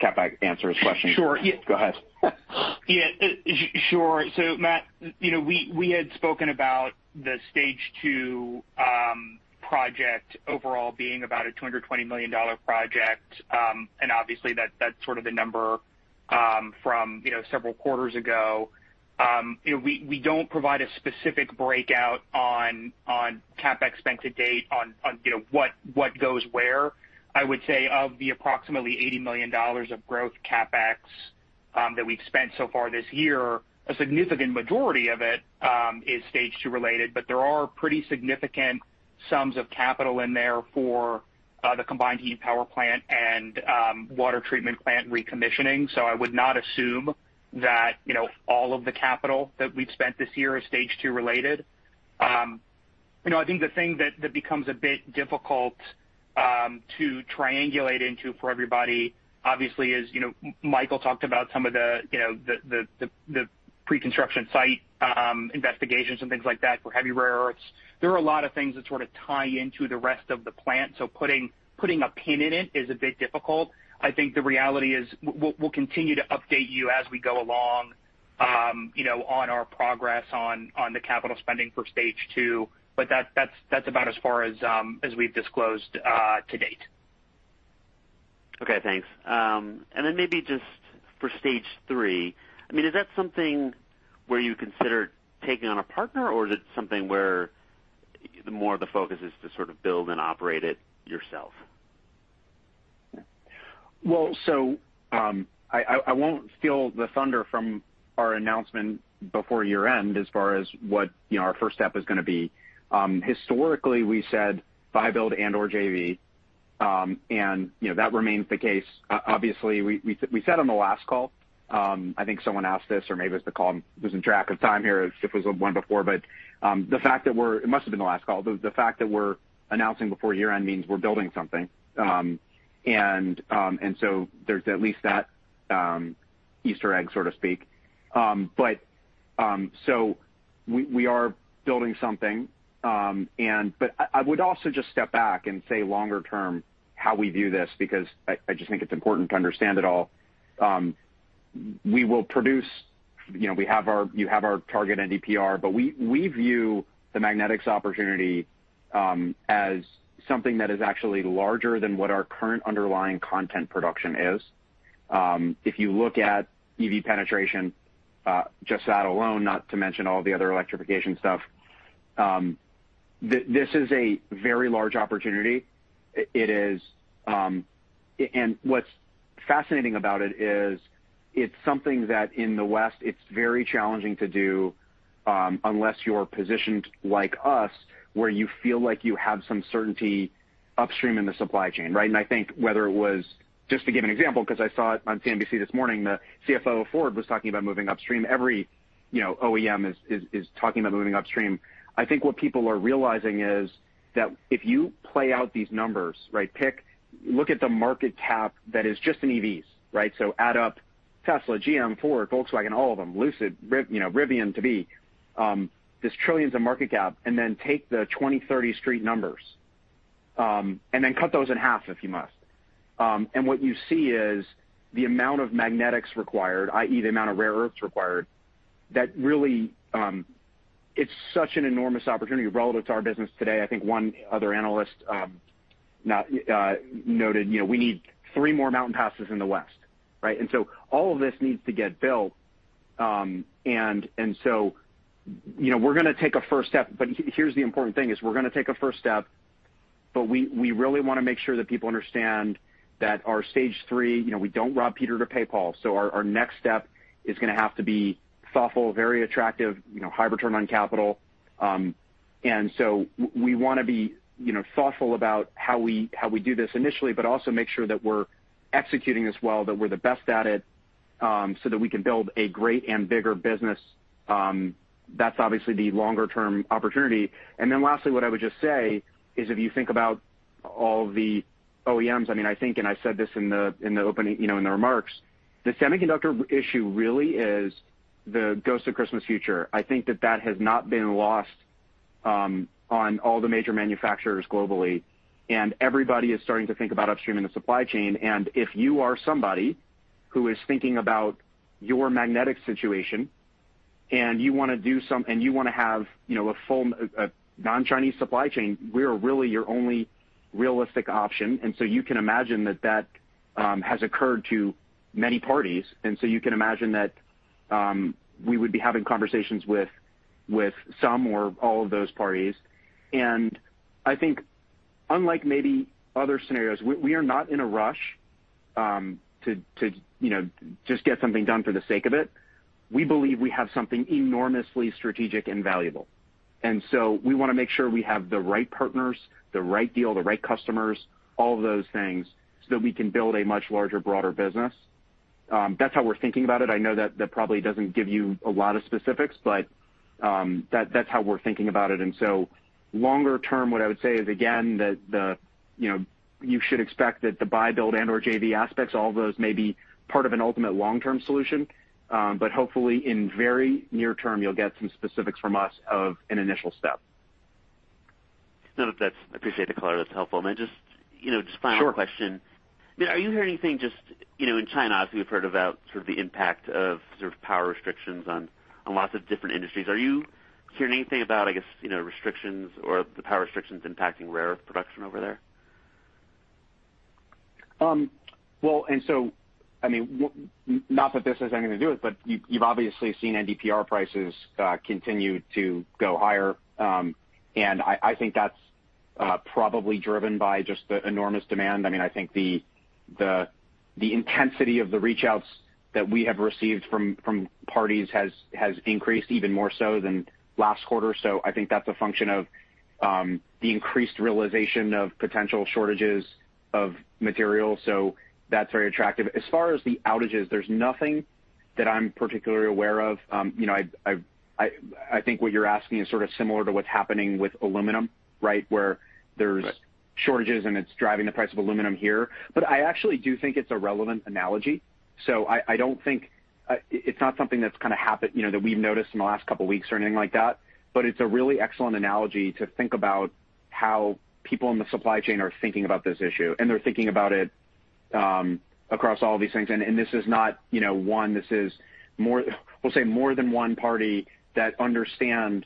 CapEx answers questions? Sure, yeah. Go ahead. Yeah. Sure. Tyler, you know, we had spoken about the Stage II project overall being about a $220 million project. Obviously, that's sort of the number from, you know, several quarters ago. You know, we don't provide a specific breakout on CapEx spent to date on, you know, what goes where. I would say of the approximately $80 million of growth CapEx that we've spent so far this year, a significant majority of it is Stage II related, but there are pretty significant sums of capital in there for the combined heat power plant and water treatment plant recommissioning. I would not assume that, you know, all of the capital that we've spent this year is Stage II related. You know, I think the thing that becomes a bit difficult to triangulate into for everybody, obviously is, you know, Michael talked about some of the, you know, the pre-construction site investigations and things like that for heavy rare earths. There are a lot of things that sort of tie into the rest of the plant, so putting a pin in it is a bit difficult. I think the reality is we'll continue to update you as we go along, you know, on our progress on the capital spending for Stage II, but that's about as far as we've disclosed to date. Okay, thanks. Maybe just for Stage III, I mean, is that something where you consider taking on a partner or is it something where more of the focus is to sort of build and operate it yourself? Well, I won't steal the thunder from our announcement before year-end as far as what, you know, our first step is gonna be. Historically we said buy, build and/or JV, and you know, that remains the case. Obviously we said on the last call, I think someone asked this or maybe it was the call, losing track of time here if it was the one before. It must have been the last call. The fact that we're announcing before year-end means we're building something. There's at least that Easter egg, so to speak. We are building something, but I would also just step back and say longer term how we view this because I just think it's important to understand it all. We will produce, you know, we have our target NdPr, but we view the magnetics opportunity as something that is actually larger than what our current underlying concentrate production is. If you look at EV penetration, just that alone, not to mention all the other electrification stuff, this is a very large opportunity. It is. What's fascinating about it is it's something that in the West it's very challenging to do, unless you're positioned like us where you feel like you have some certainty upstream in the supply chain, right? I think whether it was, just to give an example because I saw it on CNBC this morning, the CFO of Ford was talking about moving upstream. Every you know OEM is talking about moving upstream. I think what people are realizing is that if you play out these numbers, right, look at the market cap that is just in EVs, right? Add up Tesla, GM, Ford, Volkswagen, all of them, Lucid, Rivian, there's trillions of market cap, and then take the 2030 street numbers, and then cut those in half if you must. What you see is the amount of magnetics required, i.e., the amount of rare earths required, that it's such an enormous opportunity relative to our business today. I think one other analyst noted, you know, we need three more mountain passes in the West, right? All of this needs to get built. You know, we're gonna take a first step, but here's the important thing: we really wanna make sure that people understand that our Stage III, you know, we don't rob Peter to pay Paul. Our next step is gonna have to be thoughtful, very attractive, you know, high return on capital. We wanna be, you know, thoughtful about how we do this initially, but also make sure that we're executing this well, that we're the best at it, so that we can build a great and bigger business. That's obviously the longer term opportunity. Then lastly, what I would just say is if you think about all the OEMs, I mean, I think, and I said this in the, in the opening, you know, in the remarks, the semiconductor issue really is the ghost of Christmas future. I think that has not been lost on all the major manufacturers globally, and everybody is starting to think about upstream in the supply chain. If you are somebody who is thinking about your magnetic situation and you wanna have, you know, a full, a non-Chinese supply chain, we are really your only realistic option. So you can imagine that has occurred to many parties. So you can imagine that we would be having conversations with some or all of those parties. I think unlike maybe other scenarios, we are not in a rush to you know just get something done for the sake of it. We believe we have something enormously strategic and valuable, and so we wanna make sure we have the right partners, the right deal, the right customers, all of those things, so that we can build a much larger, broader business. That's how we're thinking about it. I know that probably doesn't give you a lot of specifics, but that's how we're thinking about it. Longer term, what I would say is again that you know you should expect that the buy, build and/or JV aspects, all of those may be part of an ultimate long-term solution. But hopefully in very near term you'll get some specifics from us of an initial step. No, that's. I appreciate the color. That's helpful. Then, you know, final question. Sure. I mean, are you hearing anything just, you know, in China, obviously we've heard about sort of the impact of sort of power restrictions on lots of different industries? Are you hearing anything about, I guess, you know, restrictions or the power restrictions impacting rare earth production over there? Not that this has anything to do with it, but you've obviously seen NdPr prices continue to go higher. I think that's probably driven by just the enormous demand. I mean, I think the intensity of the reach outs that we have received from parties has increased even more so than last quarter. I think that's a function of the increased realization of potential shortages of material. That's very attractive. As far as the outages, there's nothing that I'm particularly aware of. You know, I think what you're asking is sort of similar to what's happening with aluminum, right? Where there's shortages and it's driving the price of aluminum here. I actually do think it's a relevant analogy. I don't think it's not something that's gonna happen, you know, that we've noticed in the last couple weeks or anything like that, but it's a really excellent analogy to think about how people in the supply chain are thinking about this issue, and they're thinking about it across all of these things. This is not, you know, one, this is more than one party that understand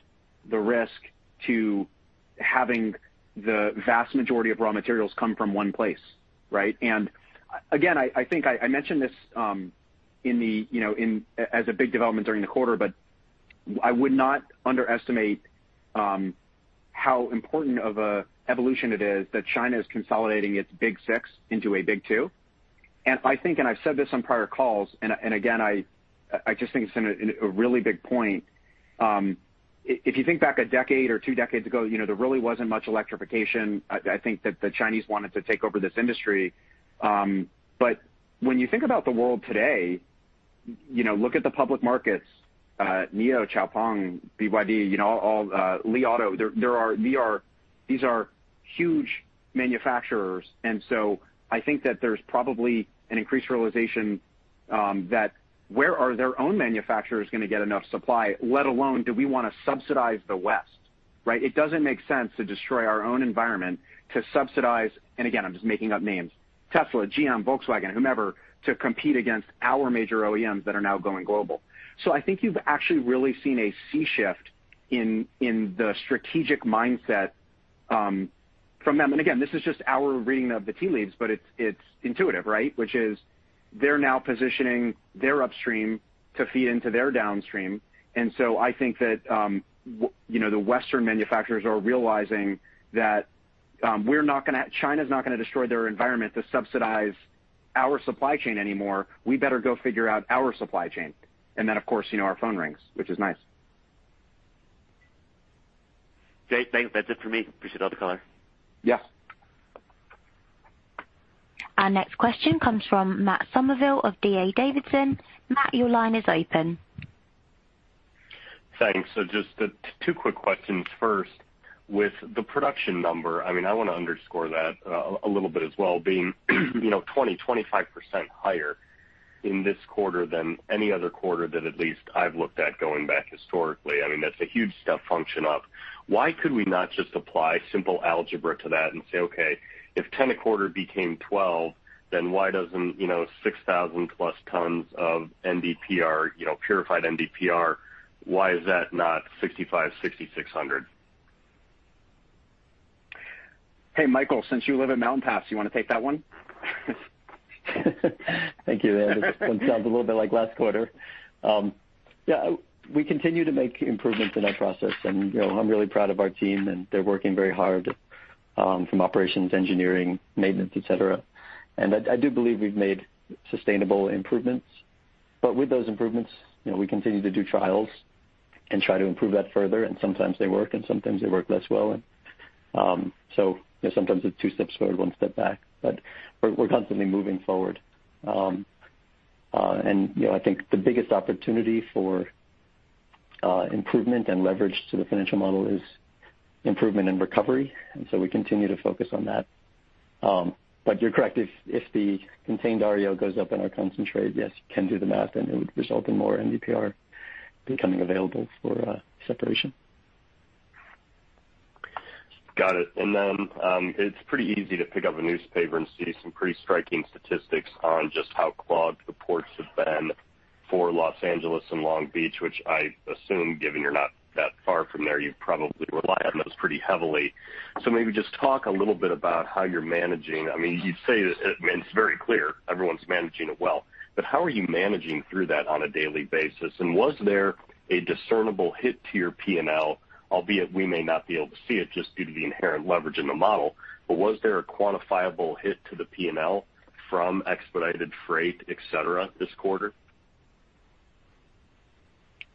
the risk to having the vast majority of raw materials come from one place, right? Again, I think I mentioned this in the, you know, as a big development during the quarter, but I would not underestimate how important of a evolution it is that China is consolidating its Big Six into a Big Two. I think, and I've said this on prior calls, and again, I just think it's in a really big point. If you think back a decade or two decades ago, you know, there really wasn't much electrification. I think that the Chinese wanted to take over this industry. But when you think about the world today, you know, look at the public markets, NIO, XPENG, BYD, you know, all, Li Auto, these are huge manufacturers. I think that there's probably an increased realization that where are their own manufacturers gonna get enough supply, let alone do we wanna subsidize the West, right? It doesn't make sense to destroy our own environment to subsidize, and again, I'm just making up names, Tesla, GM, Volkswagen, whomever, to compete against our major OEMs that are now going global. I think you've actually really seen a sea shift in the strategic mindset from them. Again, this is just our reading of the tea leaves, but it's intuitive, right? Which is they're now positioning their upstream to feed into their downstream. I think that you know, the Western manufacturers are realizing that China's not gonna destroy their environment to subsidize our supply chain anymore. We better go figure out our supply chain. Of course, you know, our phone rings, which is nice. Great. Thanks. That's it for me. Appreciate all the color. Yeah. Our next question comes from Matt Summerville of D.A. Davidson. Matt, your line is open. Thanks. Just two quick questions. First, with the production number, I mean, I want to underscore that a little bit as well, being you know 20%, 25% higher in this quarter than any other quarter that at least I've looked at going back historically. I mean, that's a huge step function up. Why could we not just apply simple algebra to that and say, okay, if 10 a quarter became 12, then why doesn't you know 6,000+ tons of NdPr you know purified NdPr, why is that not 6,500 tons-6,600 tons? Hey, Michael, since you live in Mountain Pass, you wanna take that one? Thank you, Jim. This one sounds a little bit like last quarter. Yeah, we continue to make improvements in our process, and, you know, I'm really proud of our team, and they're working very hard from operations, engineering, maintenance, et cetera. I do believe we've made sustainable improvements. With those improvements, you know, we continue to do trials and try to improve that further, and sometimes they work, and sometimes they work less well. You know, sometimes it's two steps forward, one step back. We're constantly moving forward. You know, I think the biggest opportunity for improvement and leverage to the financial model is improvement in recovery. We continue to focus on that. You're correct. If the contained REO goes up in our concentrate, yes, you can do the math, and it would result in more NdPr becoming available for separation. Got it. It's pretty easy to pick up a newspaper and see some pretty striking statistics on just how clogged the ports have been for Los Angeles and Long Beach, which I assume, given you're not that far from there, you probably rely on those pretty heavily. Maybe just talk a little bit about how you're managing. I mean, you say it, I mean, it's very clear everyone's managing it well, but how are you managing through that on a daily basis? Was there a discernible hit to your P&L, albeit we may not be able to see it just due to the inherent leverage in the model, but was there a quantifiable hit to the P&L from expedited freight, et cetera, this quarter?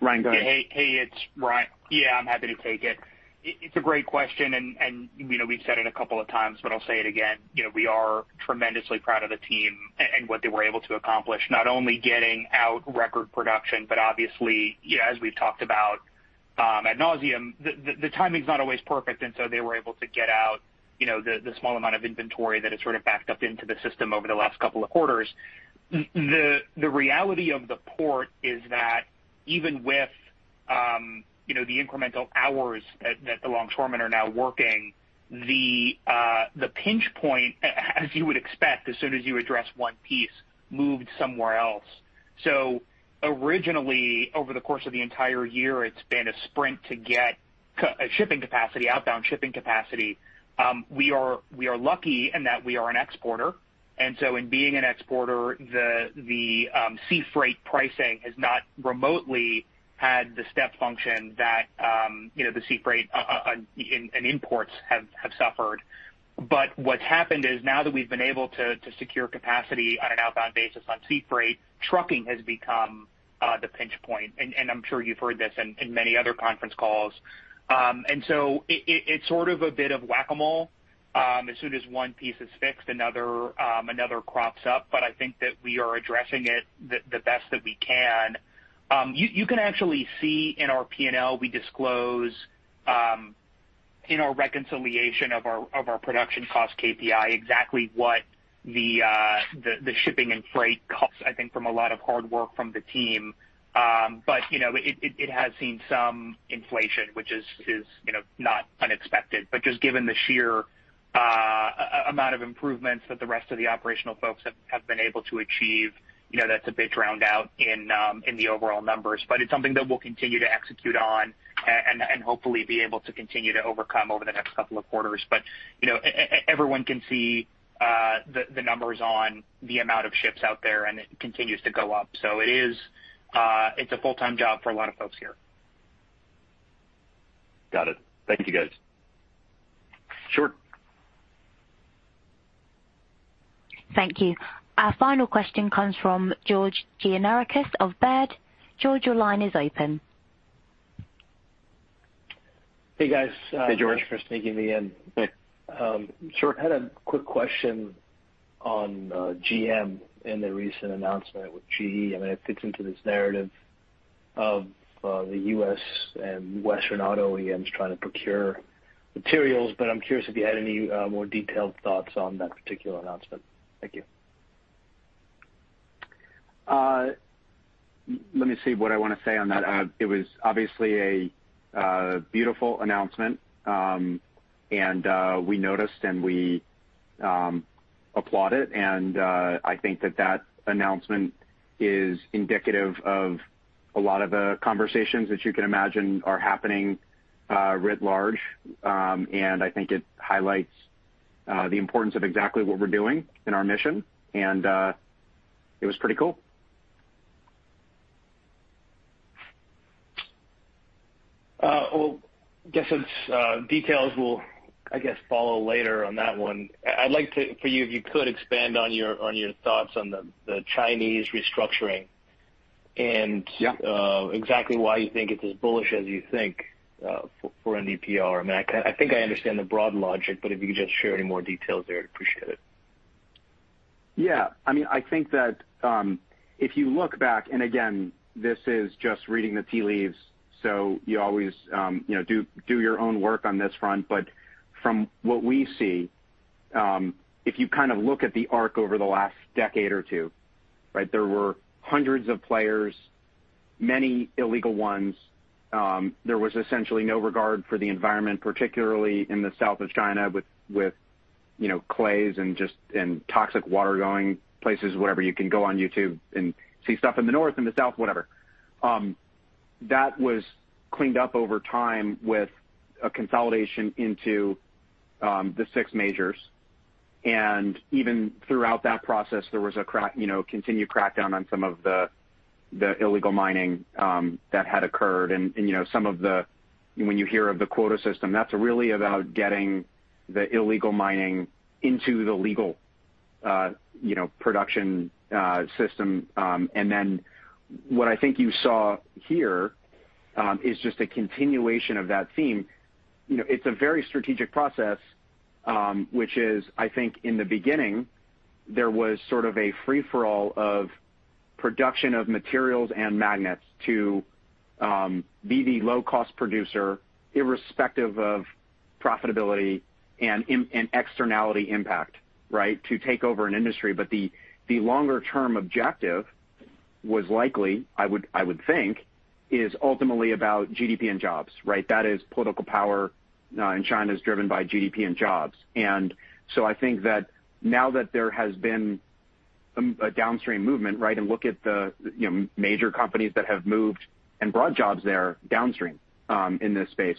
Ryan, go ahead. Hey, hey, it's Ryan. Yeah, I'm happy to take it. It's a great question and, you know, we've said it a couple of times, but I'll say it again. You know, we are tremendously proud of the team and what they were able to accomplish, not only getting out record production, but obviously, you know, as we've talked about ad nauseam, the timing's not always perfect, and so they were able to get out, you know, the small amount of inventory that had sort of backed up into the system over the last couple of quarters. The reality of the port is that even with, you know, the incremental hours that the longshoremen are now working, the pinch point, as you would expect as soon as you address one piece, moved somewhere else. Originally, over the course of the entire year, it's been a sprint to get shipping capacity, outbound shipping capacity. We are lucky in that we are an exporter. In being an exporter, the sea freight pricing has not remotely had the step function that you know, the sea freight in imports have suffered. What's happened is now that we've been able to secure capacity on an outbound basis on sea freight, trucking has become the pinch point. I'm sure you've heard this in many other conference calls. It's sort of a bit of whack-a-mole. As soon as one piece is fixed, another crops up. I think that we are addressing it the best that we can. You can actually see in our P&L, we disclose in our reconciliation of our production cost KPI exactly what the shipping and freight costs, I think from a lot of hard work from the team. You know, it has seen some inflation, which is you know, not unexpected. Just given the sheer amount of improvements that the rest of the operational folks have been able to achieve, you know, that's a bit drowned out in the overall numbers. It's something that we'll continue to execute on and hopefully be able to continue to overcome over the next couple of quarters. You know, everyone can see the numbers on the amount of ships out there, and it continues to go up. It is... It's a full-time job for a lot of folks here. Got it. Thank you, guys. Sure. Thank you. Our final question comes from George Gianarikas of Baird. George, your line is open. Hey, guys. Hey, George. Thanks for sneaking me in. Hey. Sure. I had a quick question on GM and the recent announcement with GE. I mean, it fits into this narrative of the U.S. and Western auto OEMs trying to procure materials, but I'm curious if you had any more detailed thoughts on that particular announcement? Thank you. Let me see what I wanna say on that? It was obviously a beautiful announcement, and we noticed and we applaud it. I think that announcement is indicative of a lot of the conversations that you can imagine are happening writ large. I think it highlights the importance of exactly what we're doing in our mission, and it was pretty cool. Well, I guess the details will follow later on that one. If you could expand on your thoughts on the Chinese restructuring and- Yeah. Exactly why you think it's as bullish as you think for NdPr. I mean, I think I understand the broad logic, but if you could just share any more details there, I'd appreciate it. Yeah. I mean, I think that if you look back, and again, this is just reading the tea leaves, so you always you know do your own work on this front. From what we see, if you kind of look at the arc over the last decade or two, right? There were hundreds of players, many illegal ones. There was essentially no regard for the environment, particularly in the south of China with you know clays and just toxic water going places, whatever. You can go on youtube and see stuff in the north and the south, whatever. That was cleaned up over time with a consolidation into the six majors. Even throughout that process, there was you know a continued crackdown on some of the illegal mining that had occurred. When you hear of the quota system, that's really about getting the illegal mining into the legal, you know, production system. What I think you saw here is just a continuation of that theme. You know, it's a very strategic process, which is, I think, in the beginning, there was sort of a free-for-all of production of materials and magnets to be the low-cost producer, irrespective of profitability and externality impact, right, to take over an industry. The longer-term objective was likely, I would think, is ultimately about GDP and jobs, right? That is political power in China is driven by GDP and jobs. I think that now that there has been a downstream movement, right? Look at the, you know, major companies that have moved and brought jobs there downstream, in this space.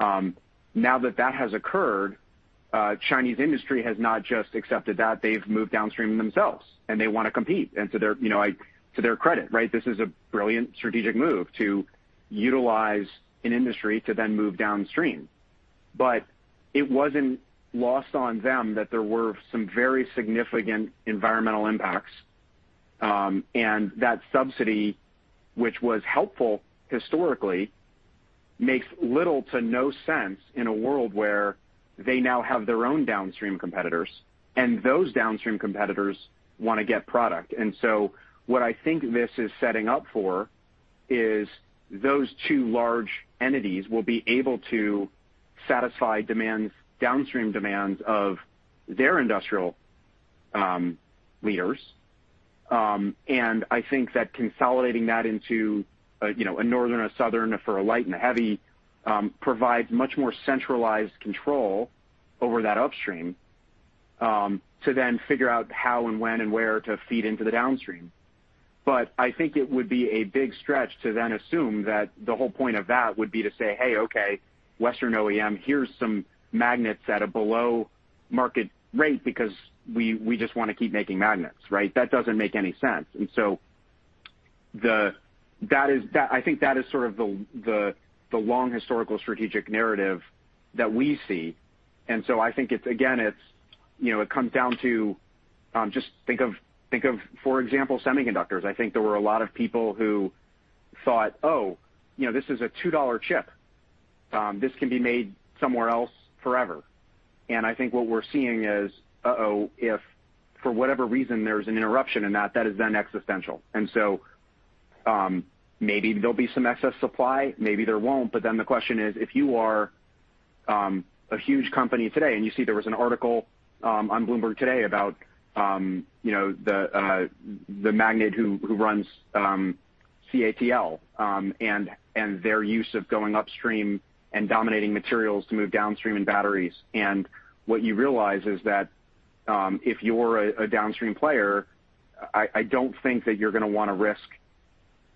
Now that has occurred, Chinese industry has not just accepted that, they've moved downstream themselves, and they wanna compete. To their, you know, to their credit, right? This is a brilliant strategic move to utilize an industry to then move downstream. But it wasn't lost on them that there were some very significant environmental impacts. That subsidy, which was helpful historically, makes little to no sense in a world where they now have their own downstream competitors, and those downstream competitors wanna get product. What I think this is setting up for is those two large entities will be able to satisfy demands, downstream demands of their industrial leaders. I think that consolidating that into a northern and a southern for light and heavy provides much more centralized control over that upstream to then figure out how and when and where to feed into the downstream. But I think it would be a big stretch to then assume that the whole point of that would be to say, "Hey, okay, Western OEM, here's some magnets at a below market rate because we just wanna keep making magnets," right? That doesn't make any sense. That is sort of the long historical strategic narrative that we see. I think it's, again, you know, it comes down to just think of, for example, semiconductors. I think there were a lot of people who thought, "Oh, you know, this is a $2 chip." This can be made somewhere else forever. I think what we're seeing is, oh, if for whatever reason there's an interruption in that is then existential. Maybe there'll be some excess supply, maybe there won't. The question is, if you are a huge company today and you see there was an article on Bloomberg today about, you know, the magnate who runs CATL and their use of going upstream and dominating materials to move downstream in batteries. What you realize is that if you're a downstream player, I don't think that you're gonna wanna risk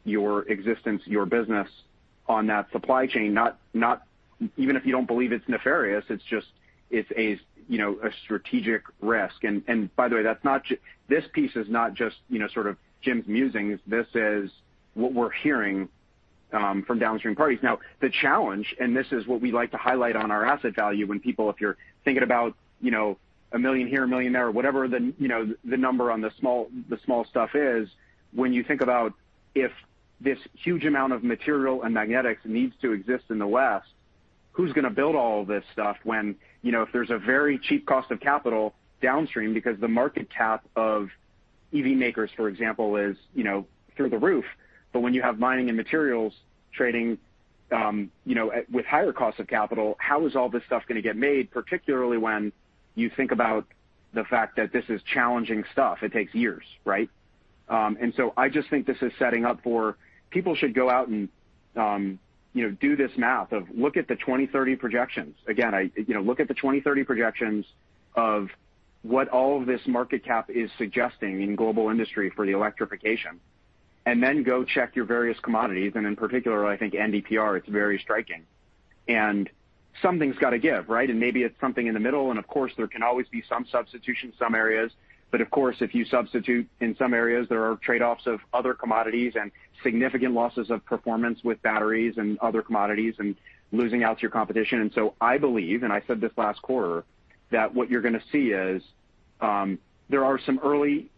your existence, your business on that supply chain, not even if you don't believe it's nefarious. It's just, you know, a strategic risk. By the way, this piece is not just, you know, sort of Jim's musings. This is what we're hearing from downstream parties. Now, the challenge, and this is what we like to highlight on our asset value when people, if you're thinking about, you know, a million here, a million there, or whatever the, you know, the number on the small stuff is, when you think about if this huge amount of material and magnetics needs to exist in the West, who's gonna build all of this stuff when, you know, if there's a very cheap cost of capital downstream because the market cap of EV makers, for example, is, you know, through the roof. When you have mining and materials trading, you know, with higher costs of capital, how is all this stuff gonna get made, particularly when you think about the fact that this is challenging stuff? It takes years, right? I just think this is setting up for People should go out and, you know, do this math of look at the 2030 projections. Again, I, you know, look at the 2030 projections of what all of this market cap is suggesting in global industry for the electrification, and then go check your various commodities, and in particular, I think NdPr, it's very striking. Something's gotta give, right? Maybe it's something in the middle, and of course, there can always be some substitution in some areas. Of course, if you substitute in some areas, there are trade-offs of other commodities and significant losses of performance with batteries and other commodities and losing out to your competition. I believe, and I said this last quarter, that what you're gonna see is, there are some early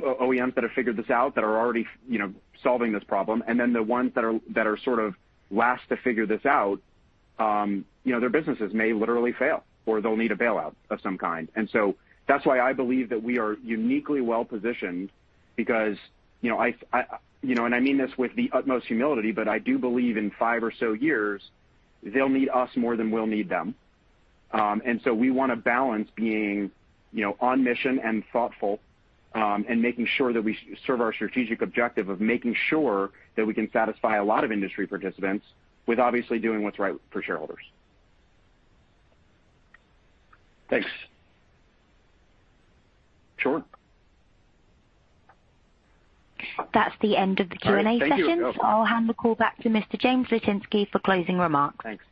OEMs that have figured this out that are already, you know, solving this problem, and then the ones that are sort of last to figure this out, you know, their businesses may literally fail or they'll need a bailout of some kind. That's why I believe that we are uniquely well-positioned because, you know, I, you know, and I mean this with the utmost humility, but I do believe in five or so years they'll need us more than we'll need them. We wanna balance being, you know, on mission and thoughtful, and making sure that we serve our strategic objective of making sure that we can satisfy a lot of industry participants with obviously doing what's right for shareholders. Thanks. Sure. That's the end of the Q&A session. All right. Thank you. I'll hand the call back to Mr. James Litinsky for closing remarks. Thanks.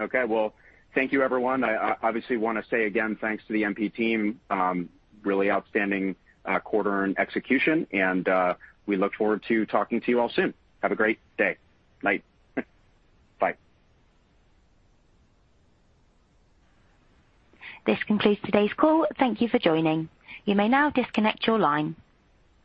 Okay. Well, thank you everyone. I obviously wanna say again thanks to the MP team, really outstanding quarter in execution, and we look forward to talking to you all soon. Have a great day. Night. Bye. This concludes today's call. Thank you for joining. You may now disconnect your line.